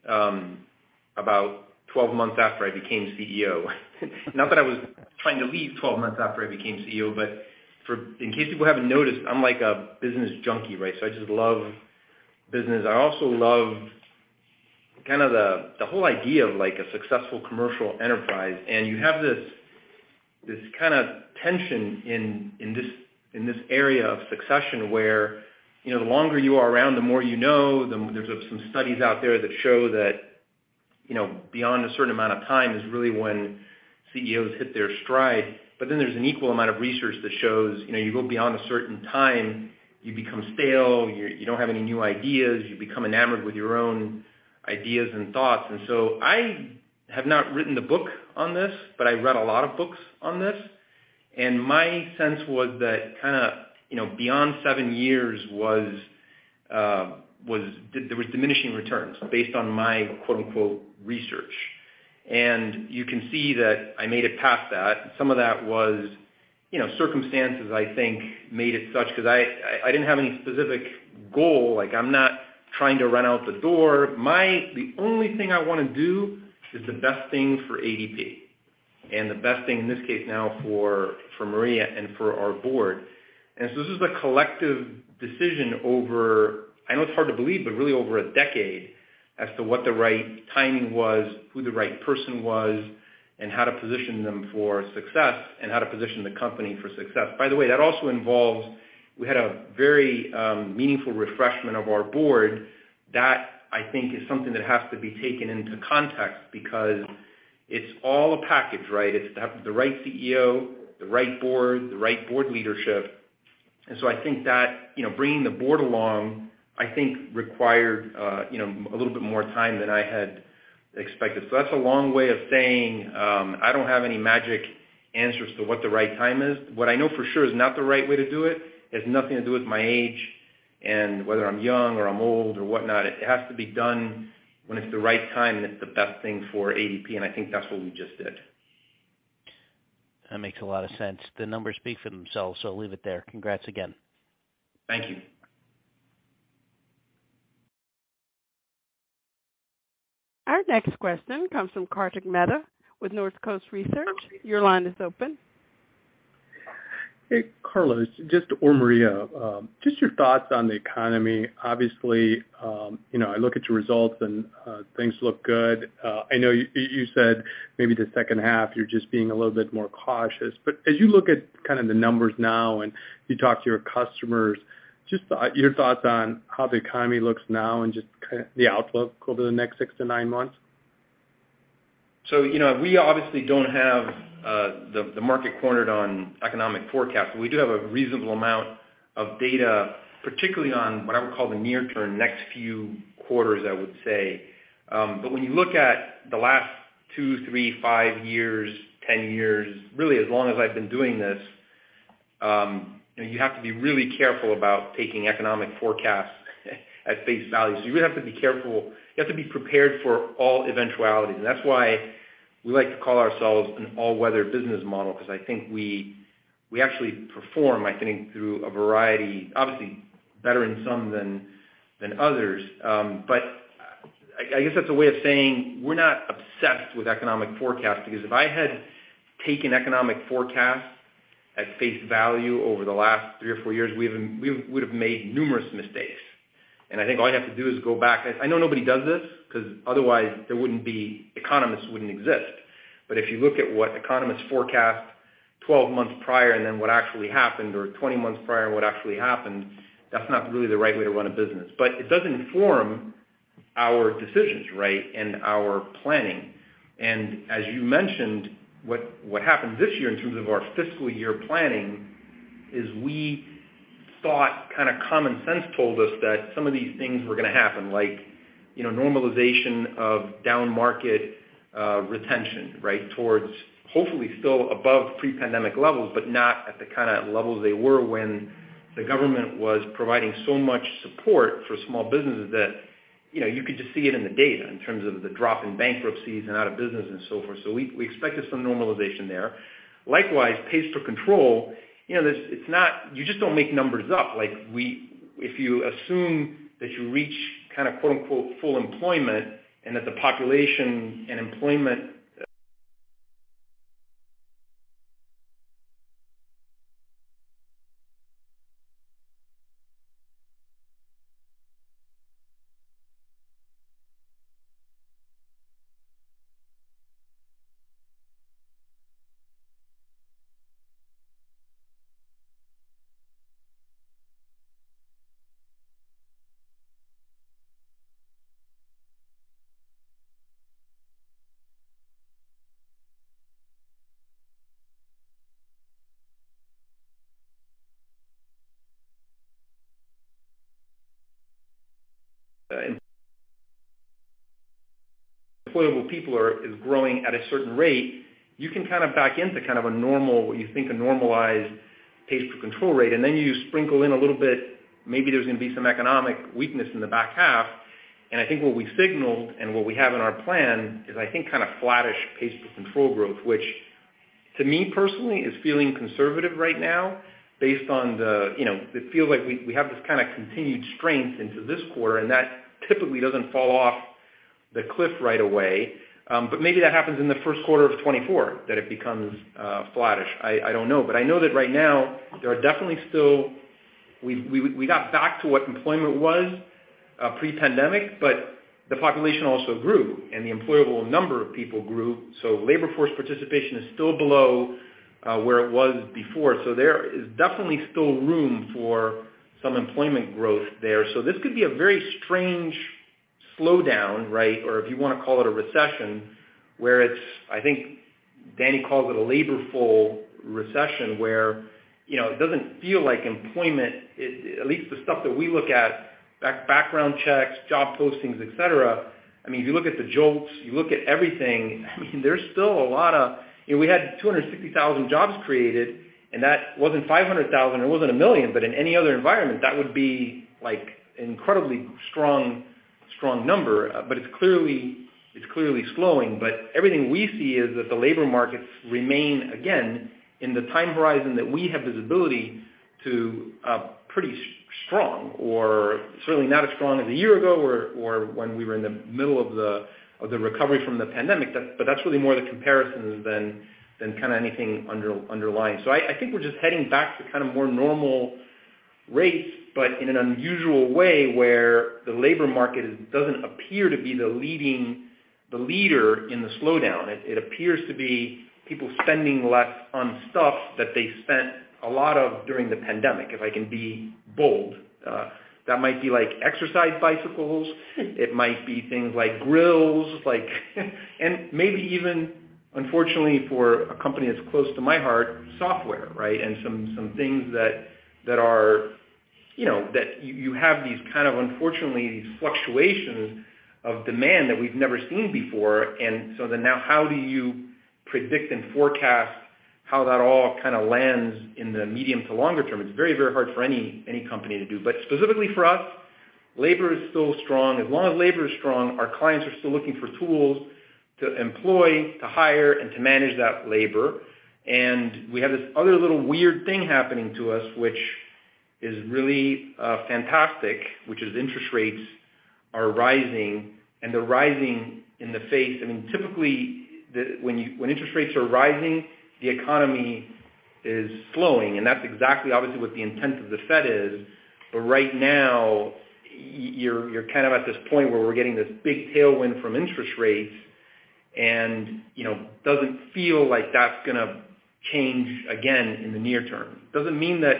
S3: about 12 months after I became CEO. Not that I was trying to leave 12 months after I became CEO but in case people haven't noticed, I'm like a business junkie, right? So I just love business. I also love kind of the whole idea of, like, a successful commercial enterprise. You have this kind of tension in this area of succession where, you know, the longer you are around, the more you know. There's some studies out there that show that, you know, beyond a certain amount of time is really when CEOs hit their stride. There's an equal amount of research that shows, you know, you go beyond a certain time, you become stale. You don't have any new ideas. You become enamored with your own ideas and thoughts. I have not written a book on this but I read a lot of books on this and my sense was that kind of, you know, beyond seven years was there was diminishing returns based on my quote, unquote "research." You can see that I made it past that. Some of that was, you know, circumstances I think made it such, 'cause I didn't have any specific goal. Like, I'm not trying to run out the door. My, the only thing I wanna do is the best thing for ADP and the best thing in this case now for Maria and for our board. This is a collective decision over, I know it's hard to believe but really over a decade as to what the right timing was, who the right person was and how to position them for success and how to position the company for success. By the way, that also involves, we had a very, meaningful refreshment of our board. That, I think, is something that has to be taken into context because it's all a package, right? It's to have the right CEO, the right board, the right board leadership. I think that, you know, bringing the board along, I think required, you know, a little bit more time than I had expected. That's a long way of saying, I don't have any magic answers to what the right time is. What I know for sure is not the right way to do it has nothing to do with my age and whether I'm young or I'm old or whatnot. It has to be done when it's the right time and it's the best thing for ADP and I think that's what we just did.
S8: That makes a lot of sense. The numbers speak for themselves, so leave it there. Congrats again.
S3: Thank you.
S1: Our next question comes from Kartik Mehta with Northcoast Research. Your line is open.
S9: Hey, Carlos or Maria, just your thoughts on the economy. Obviously, you know, I look at your results and things look good. I know you said maybe the second half, you're just being a little bit more cautious. As you look at kind of the numbers now and you talk to your customers, just your thoughts on how the economy looks now and just the outlook over the next six to nine months.
S3: You know, we obviously don't have the market cornered on economic forecast. We do have a reasonable amount of data, particularly on what I would call the near term, next few quarters, I would say. When you look at the last two, three, five years, 10 years, really, as long as I've been doing this, you have to be really careful about taking economic forecasts at face value. You really have to be careful. You have to be prepared for all eventualities. That's why we like to call ourselves an all-weather business model, because I think we actually perform, I think, through a variety, obviously better in some than others. I guess that's a way of saying we're not obsessed with economic forecast, because if I had taken economic forecasts at face value over the last three or four years, we would have made numerous mistakes. I think all you have to do is go back. I know nobody does this, 'cause otherwise there wouldn't be economists. If you look at what economists forecast 12 months prior and then what actually happened or 20 months prior and what actually happened, that's not really the right way to run a business. It does inform our decisions, right? Our planning. As you mentioned, what happened this year in terms of our fiscal year planning is we thought kind of common sense told us that some of these things were gonna happen, like, you know, normalization of down market retention, right, towards hopefully still above pre-pandemic levels but not at the kind of levels they were when the government was providing so much support for small businesses that, you know, you could just see it in the data in terms of the drop in bankruptcies and out of business and so forth. We expected some normalization there. Likewise, pays per control, this, it's not. You just don't make numbers up. If you assume that you reach kind of quote-unquote "full employment" and that the population and employment employable people is growing at a certain rate, you can kind of back into kind of a normal, what you think a normalized pace for pays per control. Then you sprinkle in a little bit, maybe there's gonna be some economic weakness in the back half. I think what we signaled and what we have in our plan is, I think, kind of flattish pace for pays per control growth, which to me personally is feeling conservative right now based on the. You know, it feels like we have this kind of continued strength into this quarter and that typically doesn't fall off the cliff right away. But maybe that happens in the first quarter of 2024, that it becomes flattish. I don't know. I know that right now there are definitely still. We got back to what employment was pre-pandemic but the population also grew and the employable number of people grew, so labor force participation is still below where it was before. There is definitely still room for some employment growth there. This could be a very strange slowdown, right? Or if you wanna call it a recession, where it's, I think Daniel calls it a labor full recession, where, you know, it doesn't feel like employment, at least the stuff that we look at, background checks, job postings, et cetera. I mean, if you look at the JOLTS, you look at everything, I mean, there's still a lot of. You know, we had 260,000 jobs created and that wasn't 500,000 or it wasn't 1 million but in any other environment, that would be, like, incredibly strong number. But it's clearly, it's clearly slowing. Everything we see is that the labor markets remain, again, in the time horizon that we have visibility to, pretty strong or certainly not as strong as a year ago or when we were in the middle of the, of the recovery from the pandemic. That's really more the comparisons than kind of anything underlying. So I think we're just heading back to kind of more normal rates but in an unusual way where the labor market doesn't appear to be the leader in the slowdown. It appears to be people spending less on stuff that they spent a lot of during the pandemic, if I can be bold. That might be like exercise bicycles. It might be things like grills, like and maybe even unfortunately for a company that's close to my heart, software, right? Some things that are, you know, that you have these kind of, unfortunately, these fluctuations of demand that we've never seen before. Now how do you predict and forecast how that all kind of lands in the medium to longer term? It's very hard for any company to do. Specifically for us, labor is still strong. As long as labor is strong, our clients are still looking for tools to employ, to hire and to manage that labor. We have this other little weird thing happening to us, which is really fantastic, which is interest rates are rising and they're rising. I mean, typically when interest rates are rising, the economy is slowing and that's exactly obviously what the intent of the Fed is. But right now, you're kind of at this point where we're getting this big tailwind from interest rates and, you know, doesn't feel like that's gonna change again in the near term. Doesn't mean that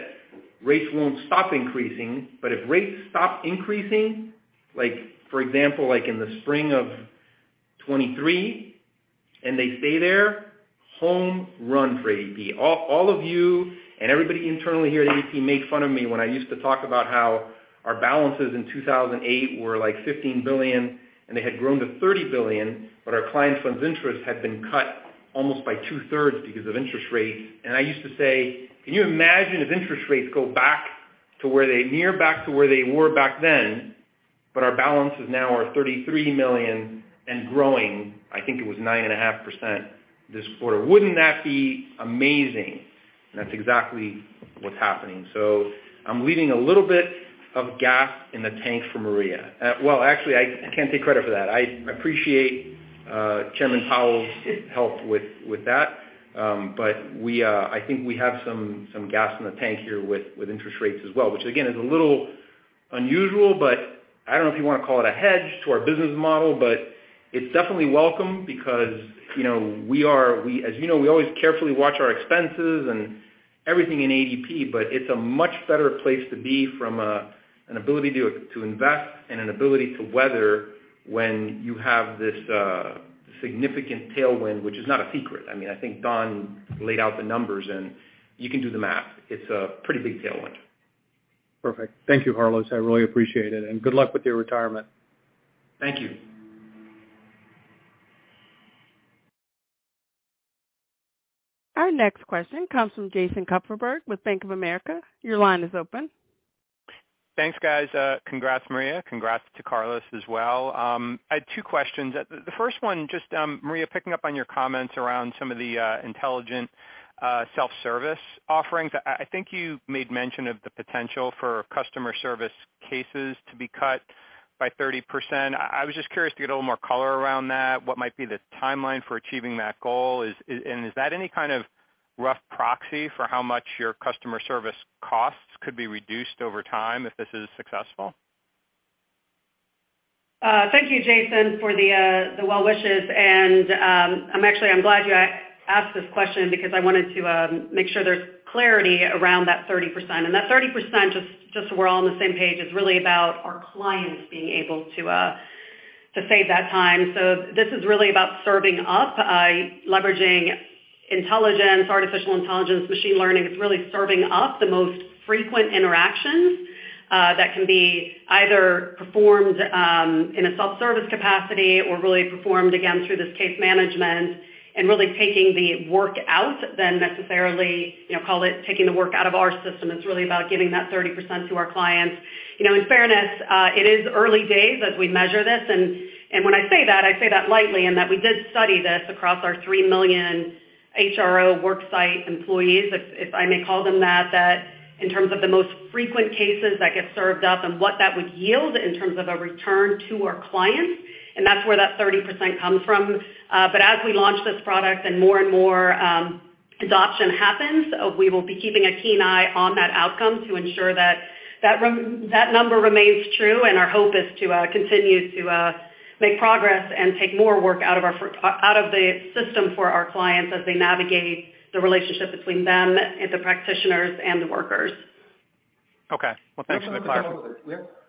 S3: rates won't stop increasing but if rates stop increasing, like for example, like in the spring of 2023 and they stay there, home run for ADP. All of you and everybody internally here at ADP made fun of me when I used to talk about how our balances in 2008 were like $15 billion and they had grown to $30 billion but our client funds interest had been cut almost by two-thirds because of interest rates. I used to say, "Can you imagine if interest rates go back to where they were back then but our balances now are $33 million and growing?" I think it was 9.5% this quarter. Wouldn't that be amazing? That's exactly what's happening. I'm leaving a little bit of gas in the tank for Maria. Well, actually I can't take credit for that. I appreciate Chairman Powell's help with that. I think we have some gas in the tank here with interest rates as well, which again, is a little unusual but I don't know if you want to call it a hedge to our business model but it's definitely welcome because, you know, we are, as you know, we always carefully watch our expenses and everything in ADP but it's a much better place to be from an ability to invest and an ability to weather when you have this significant tailwind, which is not a secret. I mean, I think Don laid out the numbers and you can do the math. It's a pretty big tailwind.
S9: Perfect. Thank you, Carlos. I really appreciate it. Good luck with your retirement.
S3: Thank you.
S1: Our next question comes from Jason Kupferberg with Bank of America. Your line is open.
S10: Thanks, guys. Congrats, Maria. Congrats to Carlos as well. I had two questions. The first one, just Maria, picking up on your comments around some of the Intelligent Self-Service offerings. I think you made mention of the potential for customer service cases to be cut by 30%. I was just curious to get a little more color around that. What might be the timeline for achieving that goal? Is that any kind of rough proxy for how much your customer service costs could be reduced over time if this is successful?
S4: Thank you, Jason, for the well wishes and I'm actually glad you asked this question because I wanted to make sure there's clarity around that 30%. That 30%, just so we're all on the same page, is really about our clients being able to save that time. This is really about serving up, leveraging intelligence, artificial intelligence, machine learning. It's really serving up the most frequent interactions that can be either performed in a self-service capacity or really performed, again, through this Case Management and really taking the work out than necessarily, you know, call it taking the work out of our system. It's really about giving that 30% to our clients. You know, in fairness, it is early days as we measure this and when I say that, I say that lightly and that we did study this across our 3 million HRO worksite employees, if I may call them that in terms of the most frequent cases that get served up and what that would yield in terms of a return to our clients and that's where that 30% comes from. As we launch this product and more and more adoption happens, we will be keeping a keen eye on that outcome to ensure that that number remains true and our hope is to continue to make progress and take more work out of the system for our clients as they navigate the relationship between them and the practitioners and the workers.
S10: Okay. Well, thanks for the clarity.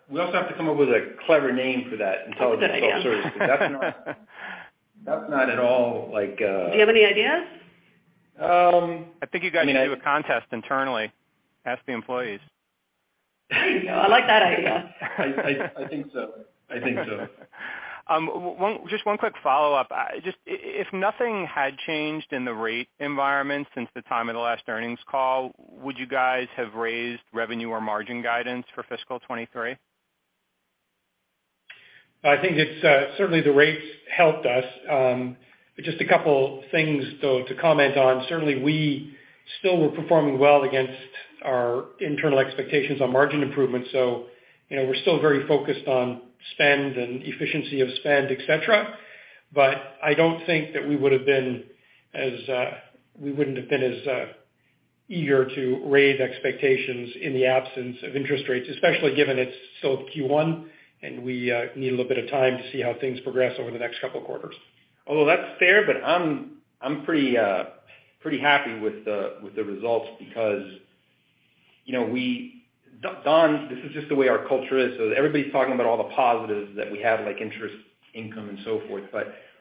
S3: We also have to come up with a clever name for that Intelligent Self-Service.
S4: Good idea.
S3: Because that's not at all like
S4: Do you have any ideas?
S10: I think you guys can do a contest internally, ask the employees.
S4: I like that idea.
S3: I think so. I think so.
S10: Just one quick follow-up. Just if nothing had changed in the rate environment since the time of the last earnings call, would you guys have raised revenue or margin guidance for fiscal 2023?
S5: I think it's certainly the rates helped us. Just a couple things, though, to comment on. Certainly, we still were performing well against our internal expectations on margin improvement. You know, we're still very focused on spend and efficiency of spend, et cetera. I don't think that we would have been as eager to raise expectations in the absence of interest rates, especially given it's still Q1 and we need a little bit of time to see how things progress over the next couple quarters.
S3: Although that's fair but I'm pretty happy with the results because, you know, Don, this is just the way our culture is. Everybody's talking about all the positives that we have, like interest income and so forth.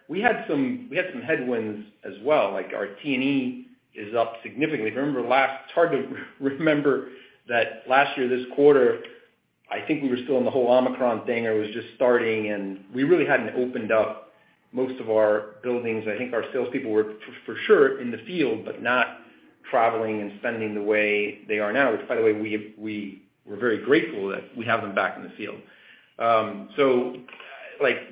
S3: We had some headwinds as well, like our T&E is up significantly. Remember it's hard to remember that last year, this quarter, I think we were still in the whole Omicron thing or it was just starting and we really hadn't opened up most of our buildings. I think our salespeople were for sure in the field but not traveling and spending the way they are now, which, by the way, we were very grateful that we have them back in the field.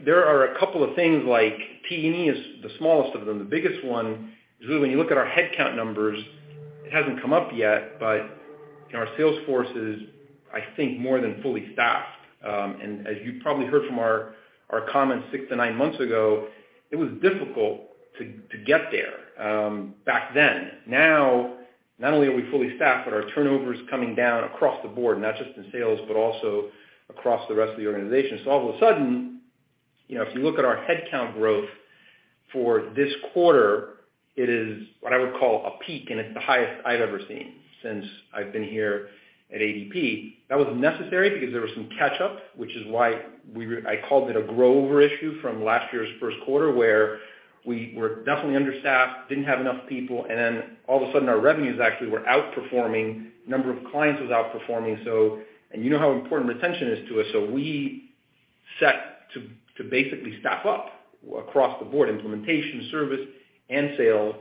S3: There are a couple of things like T&E is the smallest of them. The biggest one is really when you look at our headcount numbers, it hasn't come up yet but our sales force is, I think, more than fully staffed. As you probably heard from our comments 6-9 months ago, it was difficult to get there back then. Now, not only are we fully staffed but our turnover is coming down across the board, not just in sales but also across the rest of the organization. All of a sudden, you know, if you look at our headcount growth for this quarter, it is what I would call a peak and it's the highest I've ever seen since I've been here at ADP. That was necessary because there was some catch-up, which is why we were. I called it a grow-over issue from last year's first quarter, where we were definitely understaffed, didn't have enough people and then all of a sudden our revenues actually were outperforming, number of clients was outperforming. You know how important retention is to us. We set to basically staff up across the board, implementation, service and sales.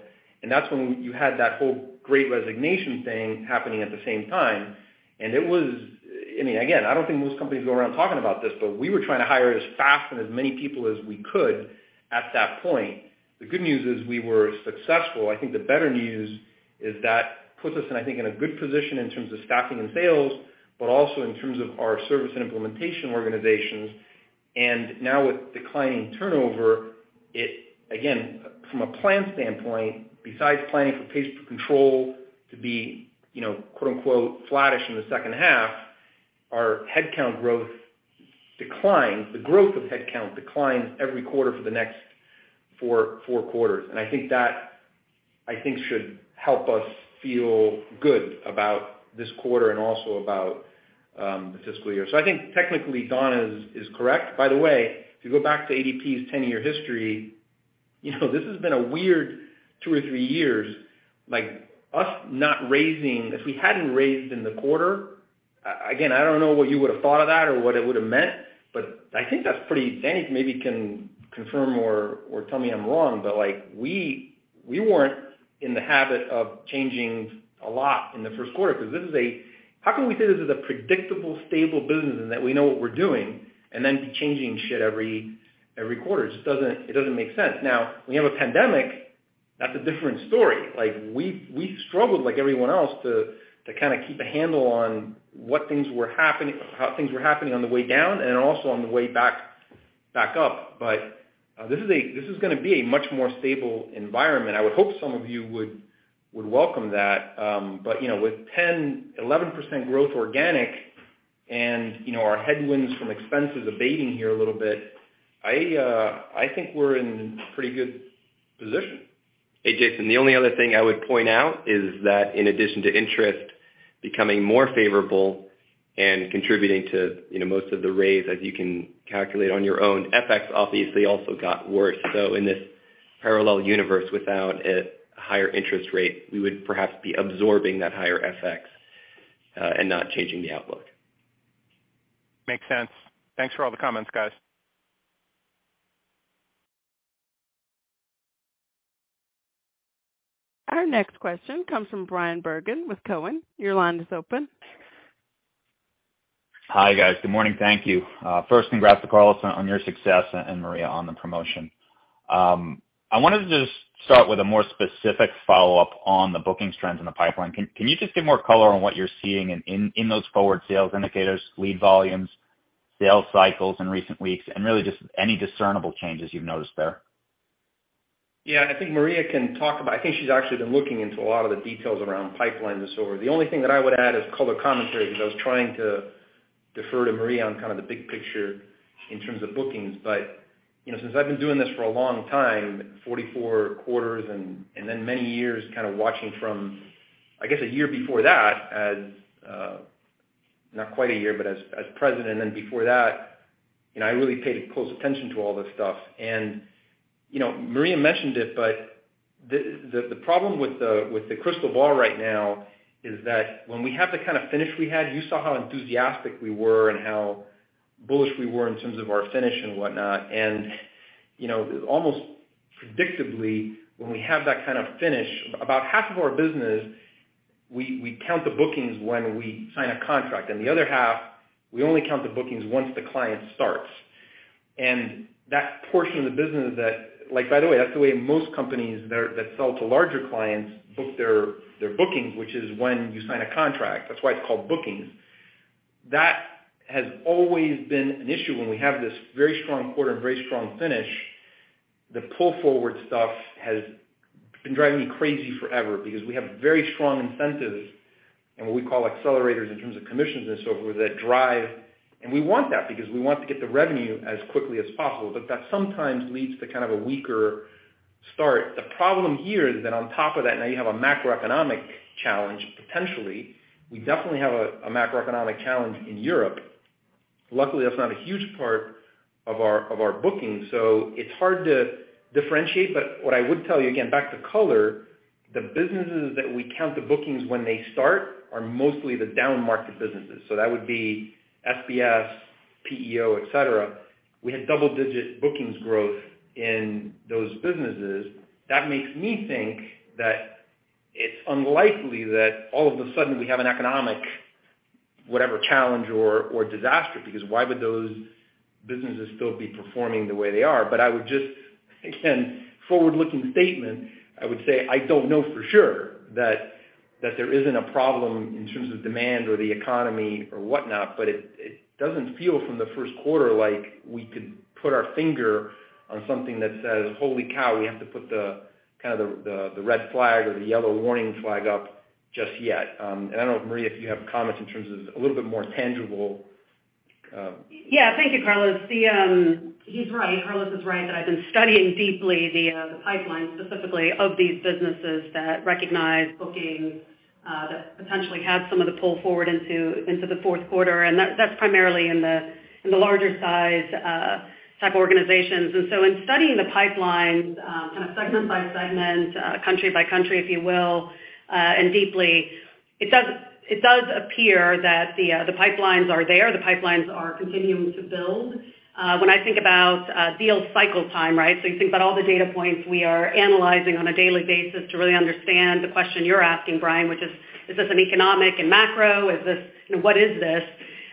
S3: That's when you had that whole great resignation thing happening at the same time. It was, I mean, again, I don't think most companies go around talking about this but we were trying to hire as fast and as many people as we could at that point. The good news is we were successful. I think the better news is that puts us in, I think in a good position in terms of staffing and sales but also in terms of our service and implementation organizations. Now with declining turnover. It, again, from a plan standpoint, besides planning for pays per control to be, you know, quote-unquote, flattish in the second half, our headcount growth declines. The growth of headcount declines every quarter for the next four quarters. I think that, I think should help us feel good about this quarter and also about the fiscal year. I think technically Don is correct. By the way, if you go back to ADP's ten-year history, you know, this has been a weird two or three years, like us not raising, if we hadn't raised in the quarter. Again, I don't know what you would have thought of that or what it would have meant but I think that's pretty, Danny maybe can confirm or tell me I'm wrong but like, we weren't in the habit of changing a lot in the first quarter because this is a, how can we say this is a predictable, stable business and that we know what we're doing and then be changing shit every quarter? It just doesn't make sense. Now we have a pandemic, that's a different story. Like, we struggled like everyone else to kind of keep a handle on how things were happening on the way down and also on the way back up. This is gonna be a much more stable environment. I would hope some of you would welcome that. You know, with 10%-11% growth organic and, you know, our headwinds from expenses abating here a little bit, I think we're in pretty good position.
S2: Hey, Jason. The only other thing I would point out is that in addition to interest becoming more favorable and contributing to, you know, most of the raise, as you can calculate on your own, FX obviously also got worse. In this parallel universe, without a higher interest rate, we would perhaps be absorbing that higher FX and not changing the outlook.
S10: Makes sense. Thanks for all the comments, guys.
S1: Our next question comes from Bryan Bergin with Cowen. Your line is open.
S11: Hi, guys. Good morning. Thank you. First, congrats to Carlos on your success and Maria on the promotion. I wanted to just start with a more specific follow-up on the booking trends in the pipeline. Can you just give more color on what you're seeing in those forward sales indicators, lead volumes, sales cycles in recent weeks and really just any discernible changes you've noticed there?
S3: Yeah, I think Maria can talk about. I think she's actually been looking into a lot of the details around pipeline this quarter. The only thing that I would add is color commentary, because I was trying to defer to Maria on kind of the big picture in terms of bookings. You know, since I've been doing this for a long time, 44 quarters and then many years kind of watching from, I guess, a year before that as, not quite a year but as president and before that, you know, I really paid close attention to all this stuff. You know, Maria mentioned it but the problem with the crystal ball right now is that when we have the kind of finish we had, you saw how enthusiastic we were and how bullish we were in terms of our finish and whatnot. You know, almost predictably, when we have that kind of finish, about half of our business, we count the bookings when we sign a contract and the other half, we only count the bookings once the client starts. That portion of the business. Like, by the way, that's the way most companies that sell to larger clients book their bookings, which is why it's called bookings. That has always been an issue when we have this very strong quarter and very strong finish. The pull forward stuff has been driving me crazy forever because we have very strong incentives and what we call accelerators in terms of commissions and so forth that drive. We want that because we want to get the revenue as quickly as possible. That sometimes leads to kind of a weaker start. The problem here is that on top of that, now you have a macroeconomic challenge, potentially. We definitely have a macroeconomic challenge in Europe. Luckily, that's not a huge part of our bookings, so it's hard to differentiate. What I would tell you, again, back to color, the businesses that we count the bookings when they start are mostly the downmarket businesses. That would be SBS, PEO, et cetera. We had double-digit bookings growth in those businesses. That makes me think that it's unlikely that all of a sudden we have an economic, whatever challenge or disaster, because why would those businesses still be performing the way they are? I would just, again, forward-looking statement, I would say I don't know for sure that there isn't a problem in terms of demand or the economy or whatnot but it doesn't feel from the first quarter like we could put our finger on something that says, "Holy cow, we have to put the red flag or the yellow warning flag up just yet." I don't know, Maria, if you have comments in terms of a little bit more tangible.
S4: Yeah. Thank you, Carlos. He's right. Carlos is right that I've been studying deeply the pipeline specifically of these businesses that recognize bookings that potentially had some of the pull forward into the fourth quarter and that's primarily in the larger size type organizations. In studying the pipelines, kind of segment by segment, country by country, if you will and deeply, it does appear that the pipelines are there. The pipelines are continuing to build. When I think about deal cycle time, right? So you think about all the data points we are analyzing on a daily basis to really understand the question you're asking, Bryan, which is this an economic and macro? You know, what is this?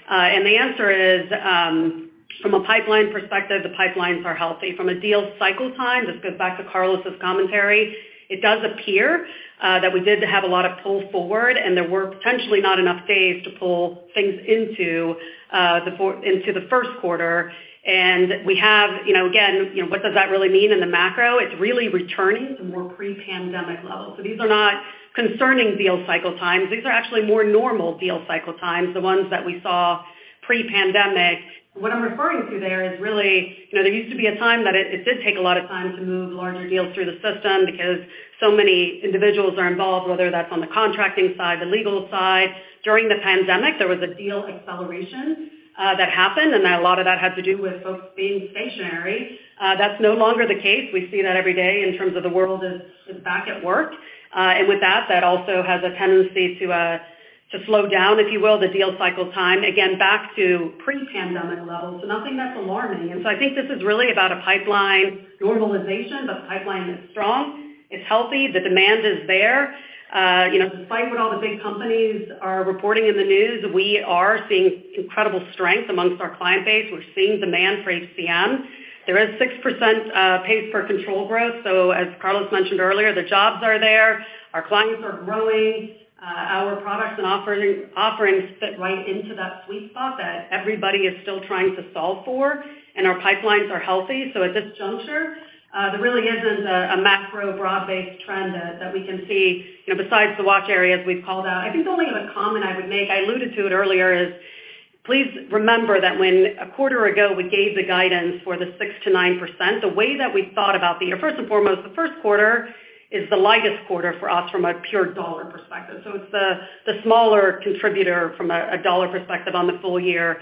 S4: The answer is from a pipeline perspective, the pipelines are healthy. From a deal cycle time, this goes back to Carlos' commentary, it does appear that we did have a lot of pull forward and there were potentially not enough days to pull things into the first quarter. We have, you know, again, you know, what does that really mean in the macro? It's really returning to more pre-pandemic levels. These are not concerning deal cycle times. These are actually more normal deal cycle times, the ones that we saw pre-pandemic. What I'm referring to there is really, you know, there used to be a time that it did take a lot of time to move larger deals through the system because so many individuals are involved, whether that's on the contracting side, the legal side. During the pandemic, there was a deal acceleration that happened and a lot of that had to do with folks being stationary. That's no longer the case. We see that every day in terms of the world is back at work. With that also has a tendency to slow down, if you will, the deal cycle time, again, back to pre-pandemic levels. Nothing that's alarming. I think this is really about a pipeline normalization. The pipeline is strong, it's healthy, the demand is there. You know, despite what all the big companies are reporting in the news, we are seeing incredible strength among our client base. We're seeing demand for HCM. There is 6% pays per control growth. As Carlos mentioned earlier, the jobs are there. Our clients are growing. Our products and offerings fit right into that sweet spot that everybody is still trying to solve for and our pipelines are healthy. At this juncture, there really isn't a macro broad-based trend that we can see, you know, besides the watch areas we've called out. I think the only other comment I would make, I alluded to it earlier, is please remember that when a quarter ago we gave the guidance for the 6%-9%, the way that we thought about the year, first and foremost, the first quarter is the lightest quarter for us from a pure dollar perspective. It's the smaller contributor from a dollar perspective on the full year.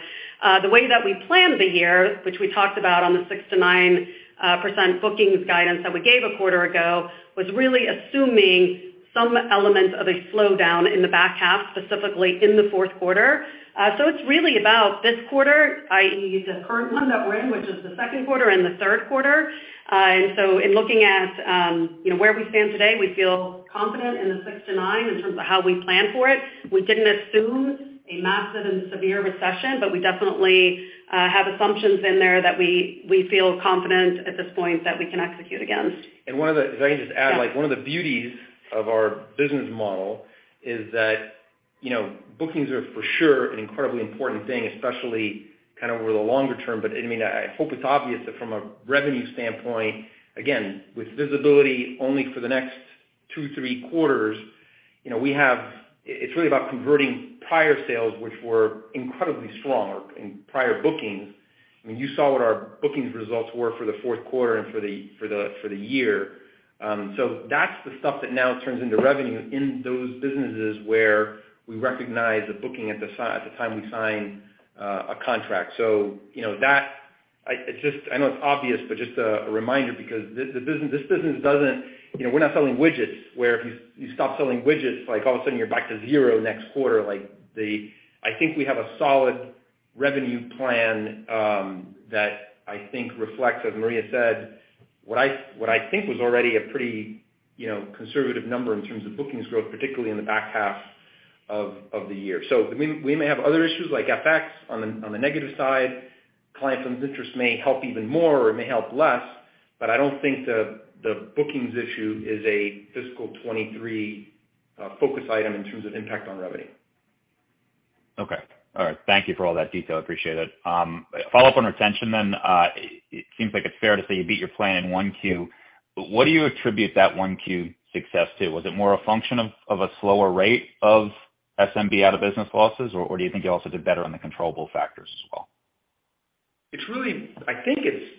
S4: The way that we planned the year, which we talked about on the 6%-9% bookings guidance that we gave a quarter ago, was really assuming some element of a slowdown in the back half, specifically in the fourth quarter. It's really about this quarter, i.e., the current one that we're in, which is the second quarter and the third quarter. In looking at, you know, where we stand today, we feel confident in the 6%-9% in terms of how we plan for it. We didn't assume a massive and severe recession but we definitely have assumptions in there that we feel confident at this point that we can execute against.
S3: One of the beauties of our business model is that, you know, bookings are for sure an incredibly important thing, especially kind of over the longer term. I mean, I hope it's obvious that from a revenue standpoint, again, with visibility only for the next two, three quarters, you know, we have it's really about converting prior sales, which were incredibly strong or in prior bookings. I mean, you saw what our bookings results were for the fourth quarter and for the year. So that's the stuff that now turns into revenue in those businesses where we recognize the booking at the time we sign a contract. So you know that I, it's just I know it's obvious but just a reminder because this business doesn't. You know, we're not selling widgets, where if you stop selling widgets, like all of a sudden you're back to zero next quarter. I think we have a solid revenue plan that I think reflects, as Maria said, what I think was already a pretty, you know, conservative number in terms of bookings growth, particularly in the back half of the year. I mean, we may have other issues like FX on the negative side. Client funds interest may help even more or it may help less but I don't think the bookings issue is a fiscal 2023 focus item in terms of impact on revenue.
S11: Okay. All right. Thank you for all that detail. Appreciate it. A follow-up on retention then. It seems like it's fair to say you beat your plan in one Q. What do you attribute that one Q success to? Was it more a function of a slower rate of SMB out of business losses or do you think you also did better on the controllable factors as well?
S3: It's really, I think it's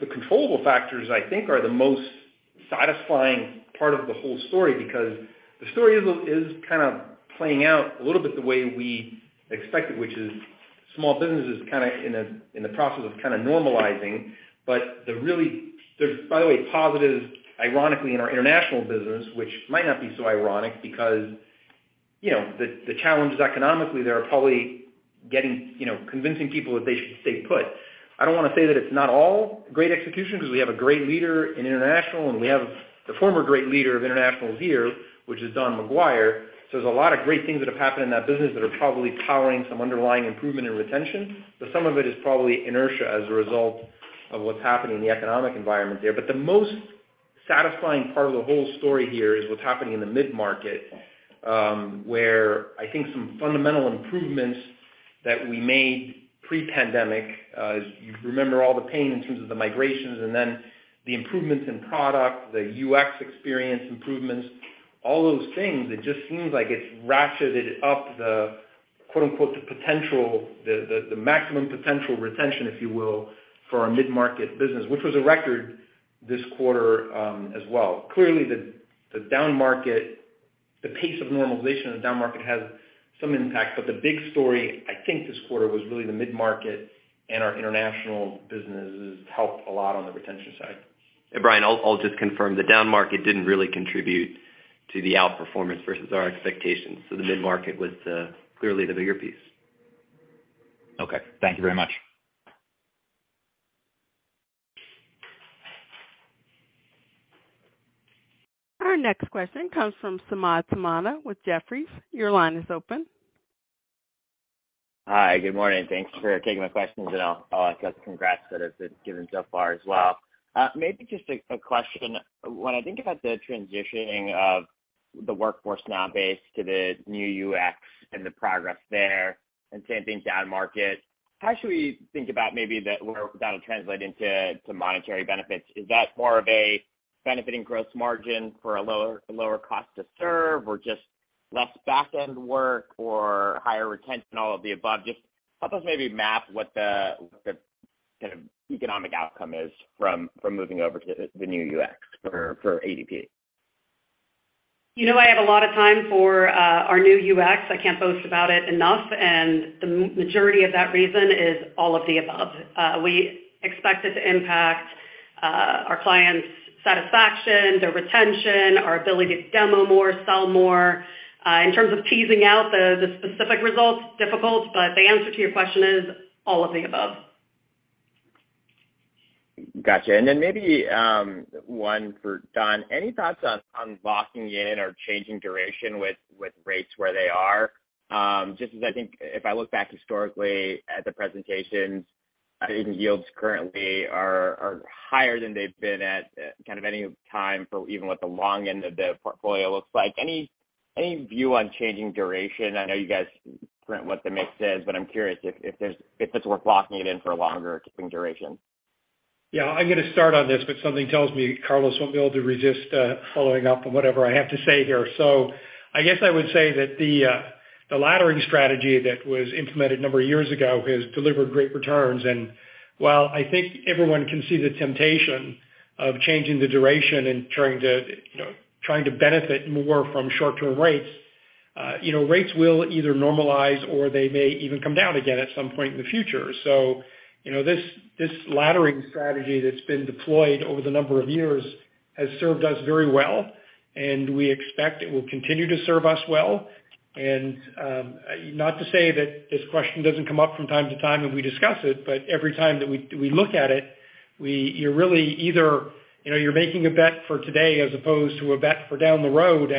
S3: the controllable factors, I think, are the most satisfying part of the whole story because the story is kind of playing out a little bit the way we expected, which is small business is kind of in a, in the process of kind of normalizing. The really, there's, by the way, positives, ironically, in our international business, which might not be so ironic because, you know, the challenges economically there are probably getting, you know, convincing people that they should stay put. I don't wanna say that it's not all great execution because we have a great leader in international and we have the former great leader of international here, which is Don McGuire. There's a lot of great things that have happened in that business that are probably powering some underlying improvement in retention. Some of it is probably inertia as a result of what's happening in the economic environment there. The most satisfying part of the whole story here is what's happening in the mid-market, where I think some fundamental improvements that we made pre-pandemic, you remember all the pain in terms of the migrations and then the improvements in product, the UX experience improvements, all those things. It just seems like it's ratcheted up the, quote-unquote, "the potential," the maximum potential retention, if you will, for our mid-market business, which was a record this quarter, as well. Clearly, the down market, the pace of normalization in the down market has some impact. The big story, I think this quarter was really the mid-market and our international businesses helped a lot on the retention side.
S2: Bryan, I'll just confirm, the down market didn't really contribute to the outperformance versus our expectations. The mid-market was clearly the bigger piece.
S11: Okay. Thank you very much.
S1: Our next question comes from Samad Samana with Jefferies. Your line is open.
S12: Hi, good morning. Thanks for taking my questions. I'll echo the congrats that have been given so far as well. Maybe just a question. When I think about the transitioning of the Workforce Now base to the new UX and the progress there and same thing downmarket, how should we think about maybe where that'll translate into to monetary benefits? Is that more of a benefiting gross margin for a lower cost to serve or just less back-end work or higher retention, all of the above? Just help us maybe map what the kind of economic outcome is from moving over to the new UX for ADP.
S4: You know, I have a lot of time for our new UX. I can't boast about it enough and the majority of that reason is all of the above. We expect it to impact our clients' satisfaction, their retention, our ability to demo more, sell more. In terms of teasing out the specific results, difficult but the answer to your question is all of the above.
S12: Gotcha. Maybe one for Don. Any thoughts on locking in or changing duration with rates where they are? Just as I think if I look back historically at the presentations, I think yields currently are higher than they've been at kind of any time for even what the long end of the portfolio looks like. Any view on changing duration? I know you guys print what the mix is but I'm curious if it's worth locking it in for longer duration.
S5: Yeah, I'm gonna start on this but something tells me Carlos won't be able to resist following up on whatever I have to say here. I guess I would say that the laddering strategy that was implemented a number of years ago has delivered great returns. While I think everyone can see the temptation of changing the duration and trying to, you know, trying to benefit more from short-term rates, you know, rates will either normalize or they may even come down again at some point in the future. You know, this laddering strategy that's been deployed over the number of years has served us very well and we expect it will continue to serve us well. Not to say that this question doesn't come up from time to time and we discuss it but every time that we look at it, you're really either, you know, you're making a bet for today as opposed to a bet for down the road.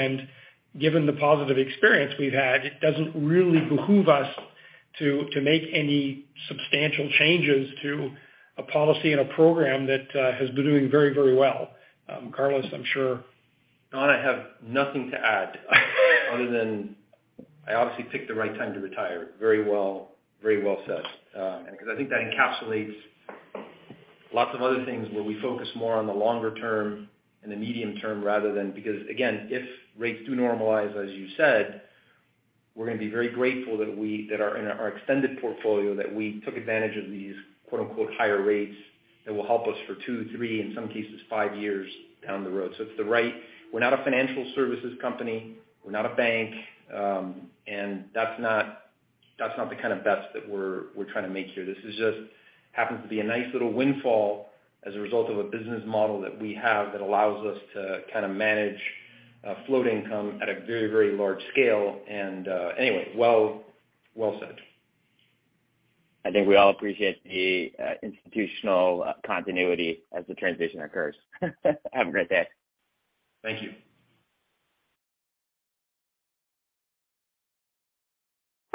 S5: Given the positive experience we've had, it doesn't really behoove us to make any substantial changes to a policy and a program that has been doing very, very well. Carlos, I'm sure.
S3: Don, I have nothing to add other than I obviously picked the right time to retire. Very well, very well said. 'Cause I think that encapsulates lots of other things where we focus more on the longer term and the medium term rather than, because, again, if rates do normalize, as you said, we're gonna be very grateful that our in our extended portfolio that we took advantage of these quote-unquote higher rates that will help us for two, three in some cases five years down the road. It's the right. We're not a financial services company, we're not a bank and that's not the kind of bets that we're trying to make here. This just happens to be a nice little windfall as a result of a business model that we have that allows us to kind of manage float income at a very, very large scale. Anyway, well said.
S12: I think we all appreciate the institutional continuity as the transition occurs. Have a great day.
S3: Thank you.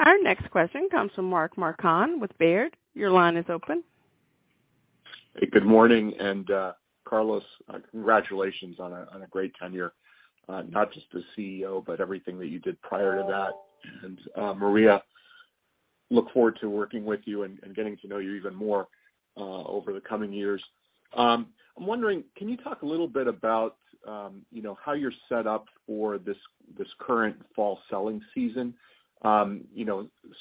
S1: Our next question comes from Mark Marcon with Baird. Your line is open.
S13: Hey, good morning. Carlos, congratulations on a great tenure, not just as CEO but everything that you did prior to that. Maria, look forward to working with you and getting to know you even more over the coming years. I'm wondering, can you talk a little bit about how you're set up for this current fall selling season?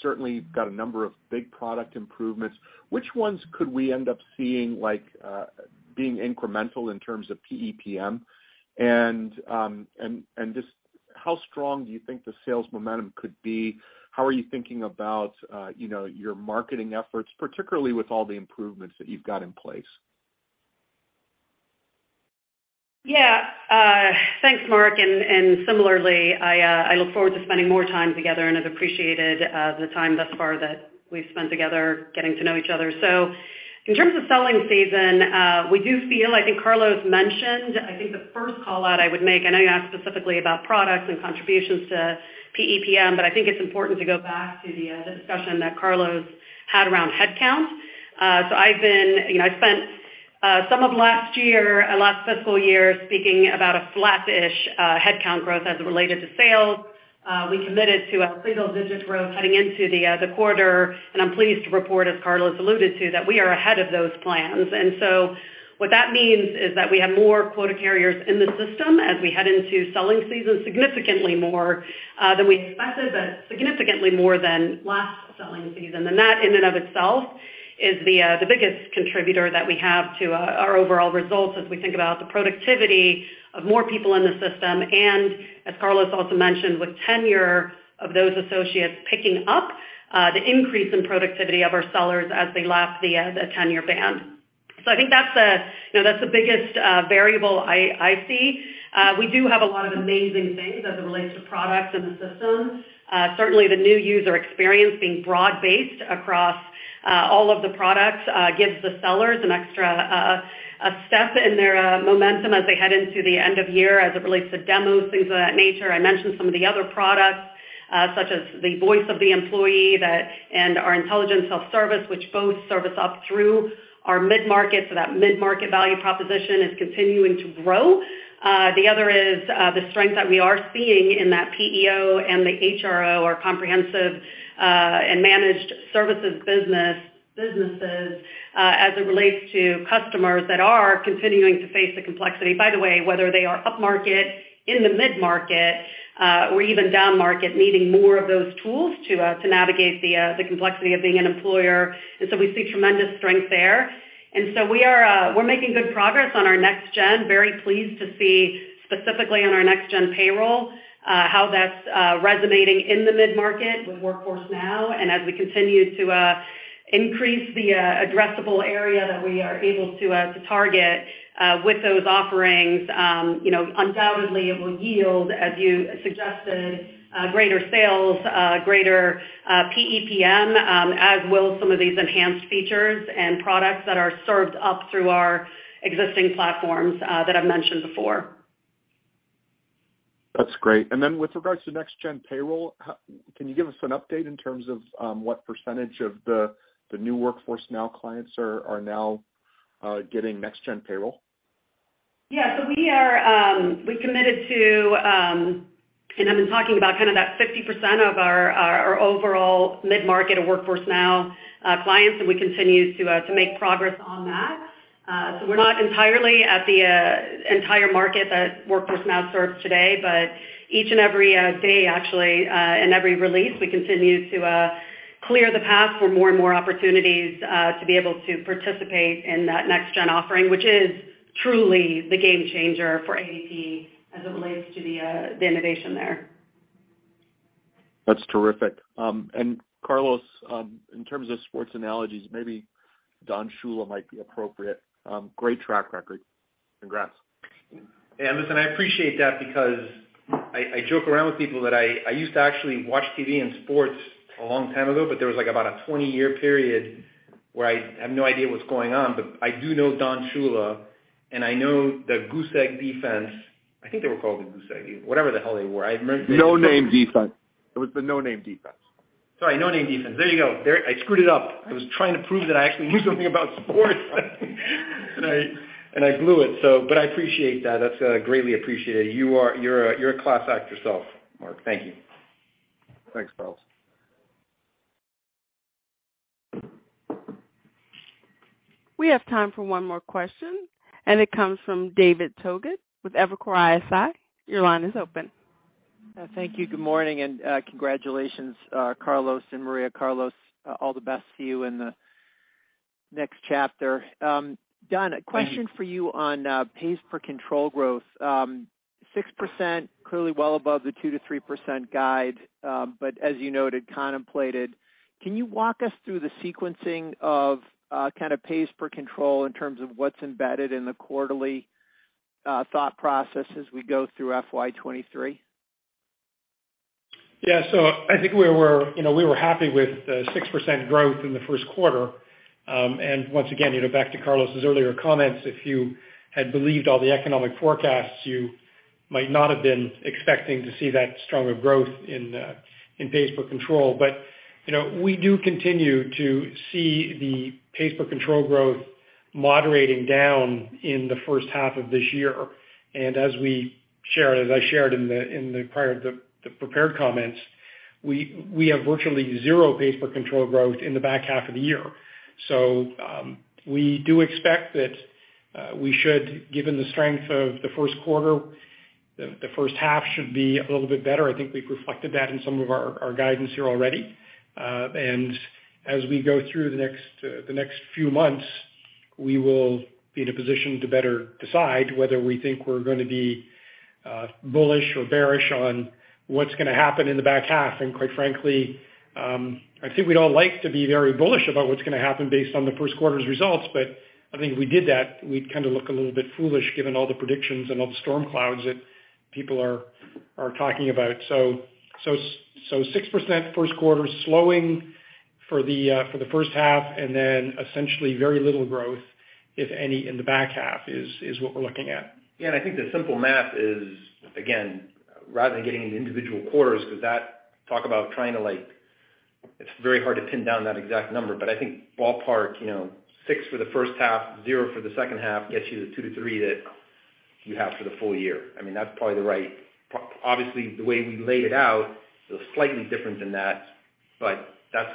S13: Certainly you've got a number of big product improvements. Which ones could we end up seeing like being incremental in terms of PEPM? And just how strong do you think the sales momentum could be? How are you thinking about your marketing efforts, particularly with all the improvements that you've got in place?
S4: Yeah. Thanks, Mark. Similarly, I look forward to spending more time together and have appreciated the time thus far that we've spent together getting to know each other. In terms of selling season, we do feel. I think Carlos mentioned. I think the first call-out I would make. I know you asked specifically about products and contributions to PEPM but I think it's important to go back to the discussion that Carlos had around headcount. You know, I spent some of last year, last fiscal year speaking about a flat-ish headcount growth as it related to sales. We committed to a single digit growth heading into the quarter and I'm pleased to report, as Carlos alluded to, that we are ahead of those plans. What that means is that we have more quota carriers in the system as we head into selling season, significantly more than we expected but significantly more than last selling season. That in and of itself is the biggest contributor that we have to our overall results as we think about the productivity of more people in the system and as Carlos also mentioned, with tenure of those associates picking up, the increase in productivity of our sellers as they lap the tenure band. I think that's the, you know, that's the biggest variable I see. We do have a lot of amazing things as it relates to products in the system. Certainly the new user experience being broad-based across all of the products gives the sellers an extra step in their momentum as they head into the end of year as it relates to demos, things of that nature. I mentioned some of the other products such as the Voice of the Employee that and our Intelligent Self-Service, which both service up through our mid-market, so that mid-market value proposition is continuing to grow. The other is the strength that we are seeing in that PEO and the HRO or comprehensive and managed services business as it relates to customers that are continuing to face the complexity. By the way, whether they are upmarket, in the mid-market or even downmarket, needing more of those tools to navigate the complexity of being an employer. We see tremendous strength there. We're making good progress on our next gen. Very pleased to see specifically on our next gen payroll how that's resonating in the mid-market with Workforce Now. As we continue to increase the addressable area that we are able to target with those offerings, you know, undoubtedly it will yield, as you suggested, greater sales, greater PEPM, as will some of these enhanced features and products that are served up through our existing platforms that I've mentioned before.
S13: That's great. With regards to next gen payroll, how can you give us an update in terms of what percentage of the new Workforce Now clients are now getting next gen payroll?
S4: Yeah. We committed to and I've been talking about kind of that 60% of our overall mid-market or Workforce Now clients and we continue to make progress on that. We're not entirely at the entire market that Workforce Now serves today but each and every day, actually and every release, we continue to clear the path for more and more opportunities to be able to participate in that next gen offering, which is truly the game changer for ADP as it relates to the innovation there.
S13: That's terrific. Carlos, in terms of sports analogies, maybe Don Shula might be appropriate. Great track record. Congrats.
S3: Hey, listen, I appreciate that because I joke around with people that I used to actually watch TV and sports a long time ago but there was, like, about a 20-year period where I have no idea what's going on. I do know Don Shula and I know the Goose Egg defense. I think they were called the Goose Egg. Whatever the hell they were. I remember.
S13: No-Name Defense. It was the No-Name Defense.
S3: Sorry, no-name defense. There you go. I screwed it up. I was trying to prove that I actually knew something about sports and I blew it. But I appreciate that. That's greatly appreciated. You're a class act yourself, Mark. Thank you.
S13: Thanks, Carlos.
S1: We have time for one more question and it comes from David Togut with Evercore ISI. Your line is open.
S14: Thank you, good morning and congratulations, Carlos and Maria. Carlos, all the best to you in the next chapter. Don, a question for you on pays per control growth. Six percent, clearly well above the 2%-3% guide but as you noted, contemplated. Can you walk us through the sequencing of kind of pays per control in terms of what's embedded in the quarterly thought process as we go through FY 2023?
S5: Yeah. I think we were, you know, we were happy with the 6% growth in the first quarter. Once again, you know, back to Carlos's earlier comments, if you had believed all the economic forecasts, you might not have been expecting to see that stronger growth in pays per control. You know, we do continue to see the pays per control growth moderating down in the first half of this year. As we shared, as I shared in the prior, the prepared comments, we have virtually zero pays per control growth in the back half of the year. We do expect that we should, given the strength of the first quarter, the first half should be a little bit better. I think we've reflected that in some of our guidance here already. As we go through the next few months, we will be in a position to better decide whether we think we're gonna be bullish or bearish on what's gonna happen in the back half. Quite frankly, I think we'd all like to be very bullish about what's gonna happen based on the first quarter's results but I think if we did that, we'd kind of look a little bit foolish given all the predictions and all the storm clouds that people are talking about. Six percent first quarter, slowing for the first half and then essentially very little growth, if any, in the back half is what we're looking at.
S3: Yeah, I think the simple math is, again, rather than getting into individual quarters. It's very hard to pin down that exact number but I think ballpark, you know, six for the first half, zero for the second half gets you the two-three that you have for the full year. I mean, that's probably the right. Obviously, the way we laid it out is slightly different than that but that's,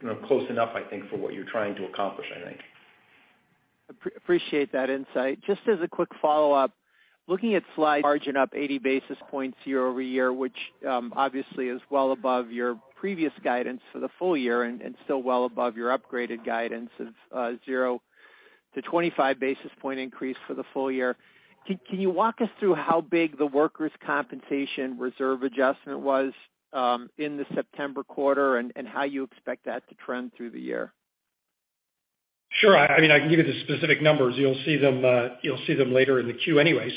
S3: you know, close enough, I think, for what you're trying to accomplish, I think.
S14: Appreciate that insight. Just as a quick follow-up, looking at slide margin up 80 basis points year-over-year, which obviously is well above your previous guidance for the full year and still well above your upgraded guidance of 0-25 basis point increase for the full year. Can you walk us through how big the workers' compensation reserve adjustment was in the September quarter and how you expect that to trend through the year?
S5: Sure. I mean, I can give you the specific numbers. You'll see them later in the queue anyway.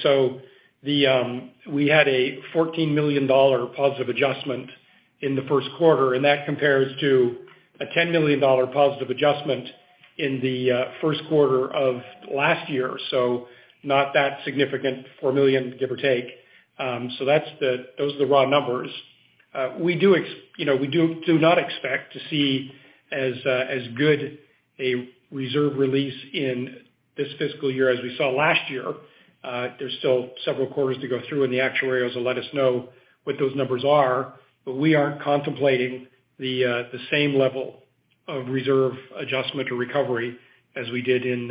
S5: We had a $14 million positive adjustment in the first quarter and that compares to a $10 million positive adjustment in the first quarter of last year. Not that significant, $4 million, give or take. Those are the raw numbers. We do, you know, not expect to see as good a reserve release in this fiscal year as we saw last year. There's still several quarters to go through and the actuaries will let us know what those numbers are. We aren't contemplating the same level of reserve adjustment or recovery as we did in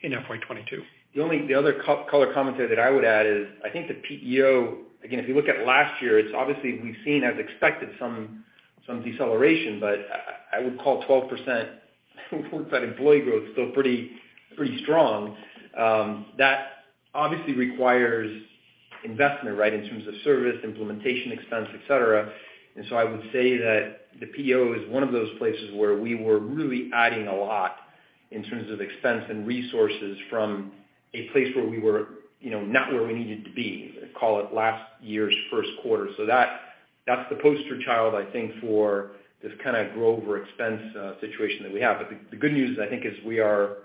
S5: FY 2022.
S3: The other color commentary that I would add is I think the PEO, again, if you look at last year, it's obvious we've seen, as expected, some deceleration. I would call 12% full-time employee growth still pretty strong. That obviously requires investment, right, in terms of service, implementation expense, et cetera. I would say that the PEO is one of those places where we were really adding a lot in terms of expense and resources from a place where we were, you know, not where we needed to be, call it last year's first quarter. That's the poster child, I think, for this kind of growth over expense situation that we have. The good news is, I think we are,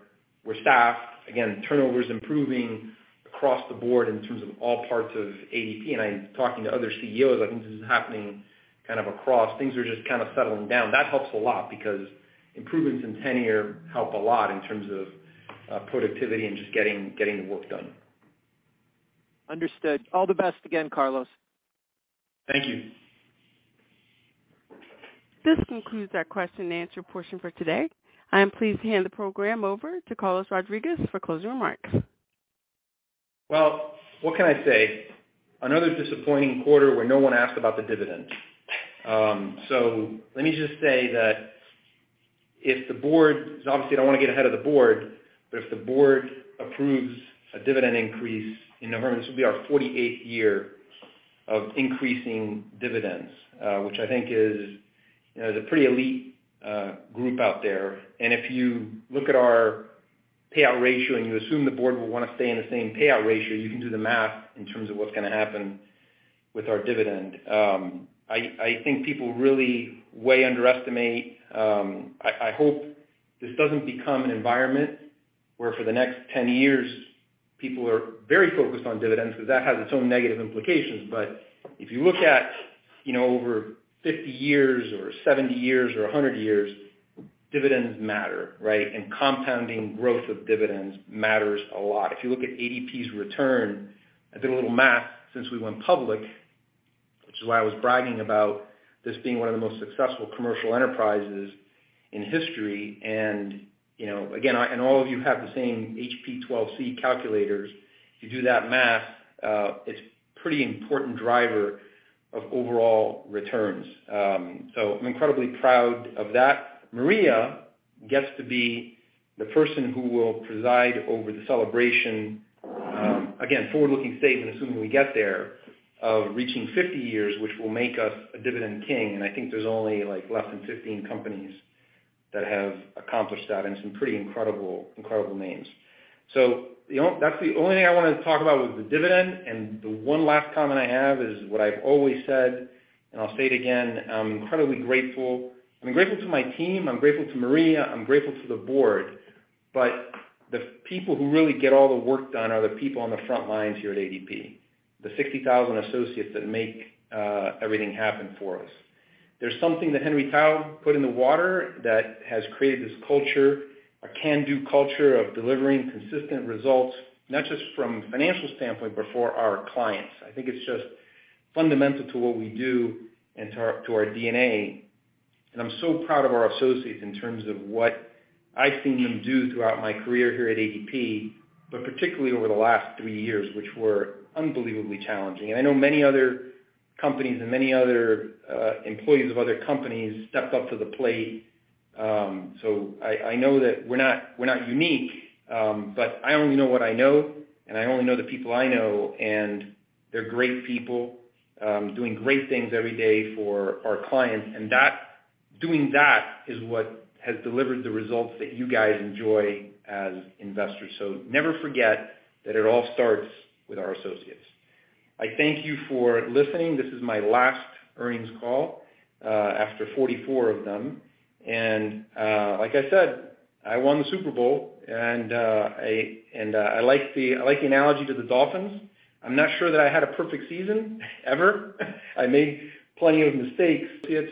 S3: we're staffed. Again, turnover is improving across the board in terms of all parts of ADP. I'm talking to other CEOs, I think this is happening kind of across. Things are just kind of settling down. That helps a lot because improvements in tenure help a lot in terms of productivity and just getting the work done.
S14: Understood. All the best again, Carlos.
S3: Thank you.
S1: This concludes our question and answer portion for today. I am pleased to hand the program over to Carlos Rodriguez for closing remarks.
S3: Well, what can I say? Another disappointing quarter where no one asked about the dividend. Let me just say that if the board, obviously, I don't wanna get ahead of the board but if the board approves a dividend increase in November, this will be our 48th year of increasing dividends, which I think, you know, is a pretty elite group out there. If you look at our payout ratio and you assume the board will wanna stay in the same payout ratio, you can do the math in terms of what's gonna happen with our dividend. I think people really underestimate. I hope this doesn't become an environment where for the next 10 years, people are very focused on dividends because that has its own negative implications. If you look at, you know, over 50 years or 70 years or 100 years, dividends matter, right? Compounding growth of dividends matters a lot. If you look at ADP's return, I did a little math since we went public, which is why I was bragging about this being one of the most successful commercial enterprises in history. All of you have the same HP-12C calculators. If you do that math, it's pretty important driver of overall returns. I'm incredibly proud of that. Maria Black gets to be the person who will preside over the celebration, again, forward-looking statement, assuming we get there, of reaching 50 years, which will make us a dividend king. I think there's only, like, less than 15 companies that have accomplished that and some pretty incredible names. That's the only thing I wanna talk about with the dividend. The one last comment I have is what I've always said and I'll say it again. I'm incredibly grateful. I'm grateful to my team, I'm grateful to Maria, I'm grateful to the board but the people who really get all the work done are the people on the front lines here at ADP, the 60,000 associates that make everything happen for us. There's something that Henry Taub put in the water that has created this culture, a can-do culture of delivering consistent results, not just from a financial standpoint but for our clients. I think it's just fundamental to what we do and to our DNA. I'm so proud of our associates in terms of what I've seen them do throughout my career here at ADP but particularly over the last three years, which were unbelievably challenging. I know many other companies and many other employees of other companies stepped up to the plate, so I know that we're not unique but I only know what I know and I only know the people I know and they're great people doing great things every day for our clients. Doing that is what has delivered the results that you guys enjoy as investors. Never forget that it all starts with our associates. I thank you for listening. This is my last earnings call after 44 of them. Like I said, I won the Super Bowl and I like the analogy to the Dolphins. I'm not sure that I had a perfect season, ever. I made plenty of mistakes, yet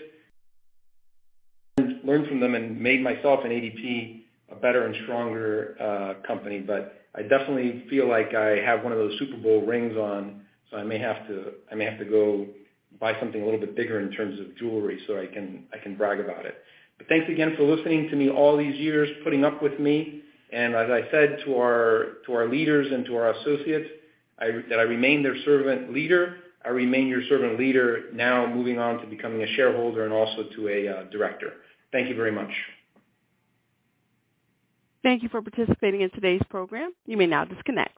S3: learned from them and made myself and ADP a better and stronger company. I definitely feel like I have one of those Super Bowl rings on, so I may have to go buy something a little bit bigger in terms of jewelry so I can brag about it. Thanks again for listening to me all these years, putting up with me. As I said to our leaders and to our associates, that I remain their servant leader. I remain your servant leader now moving on to becoming a shareholder and also to a director. Thank you very much.
S1: Thank you for participating in today's program. You may now disconnect.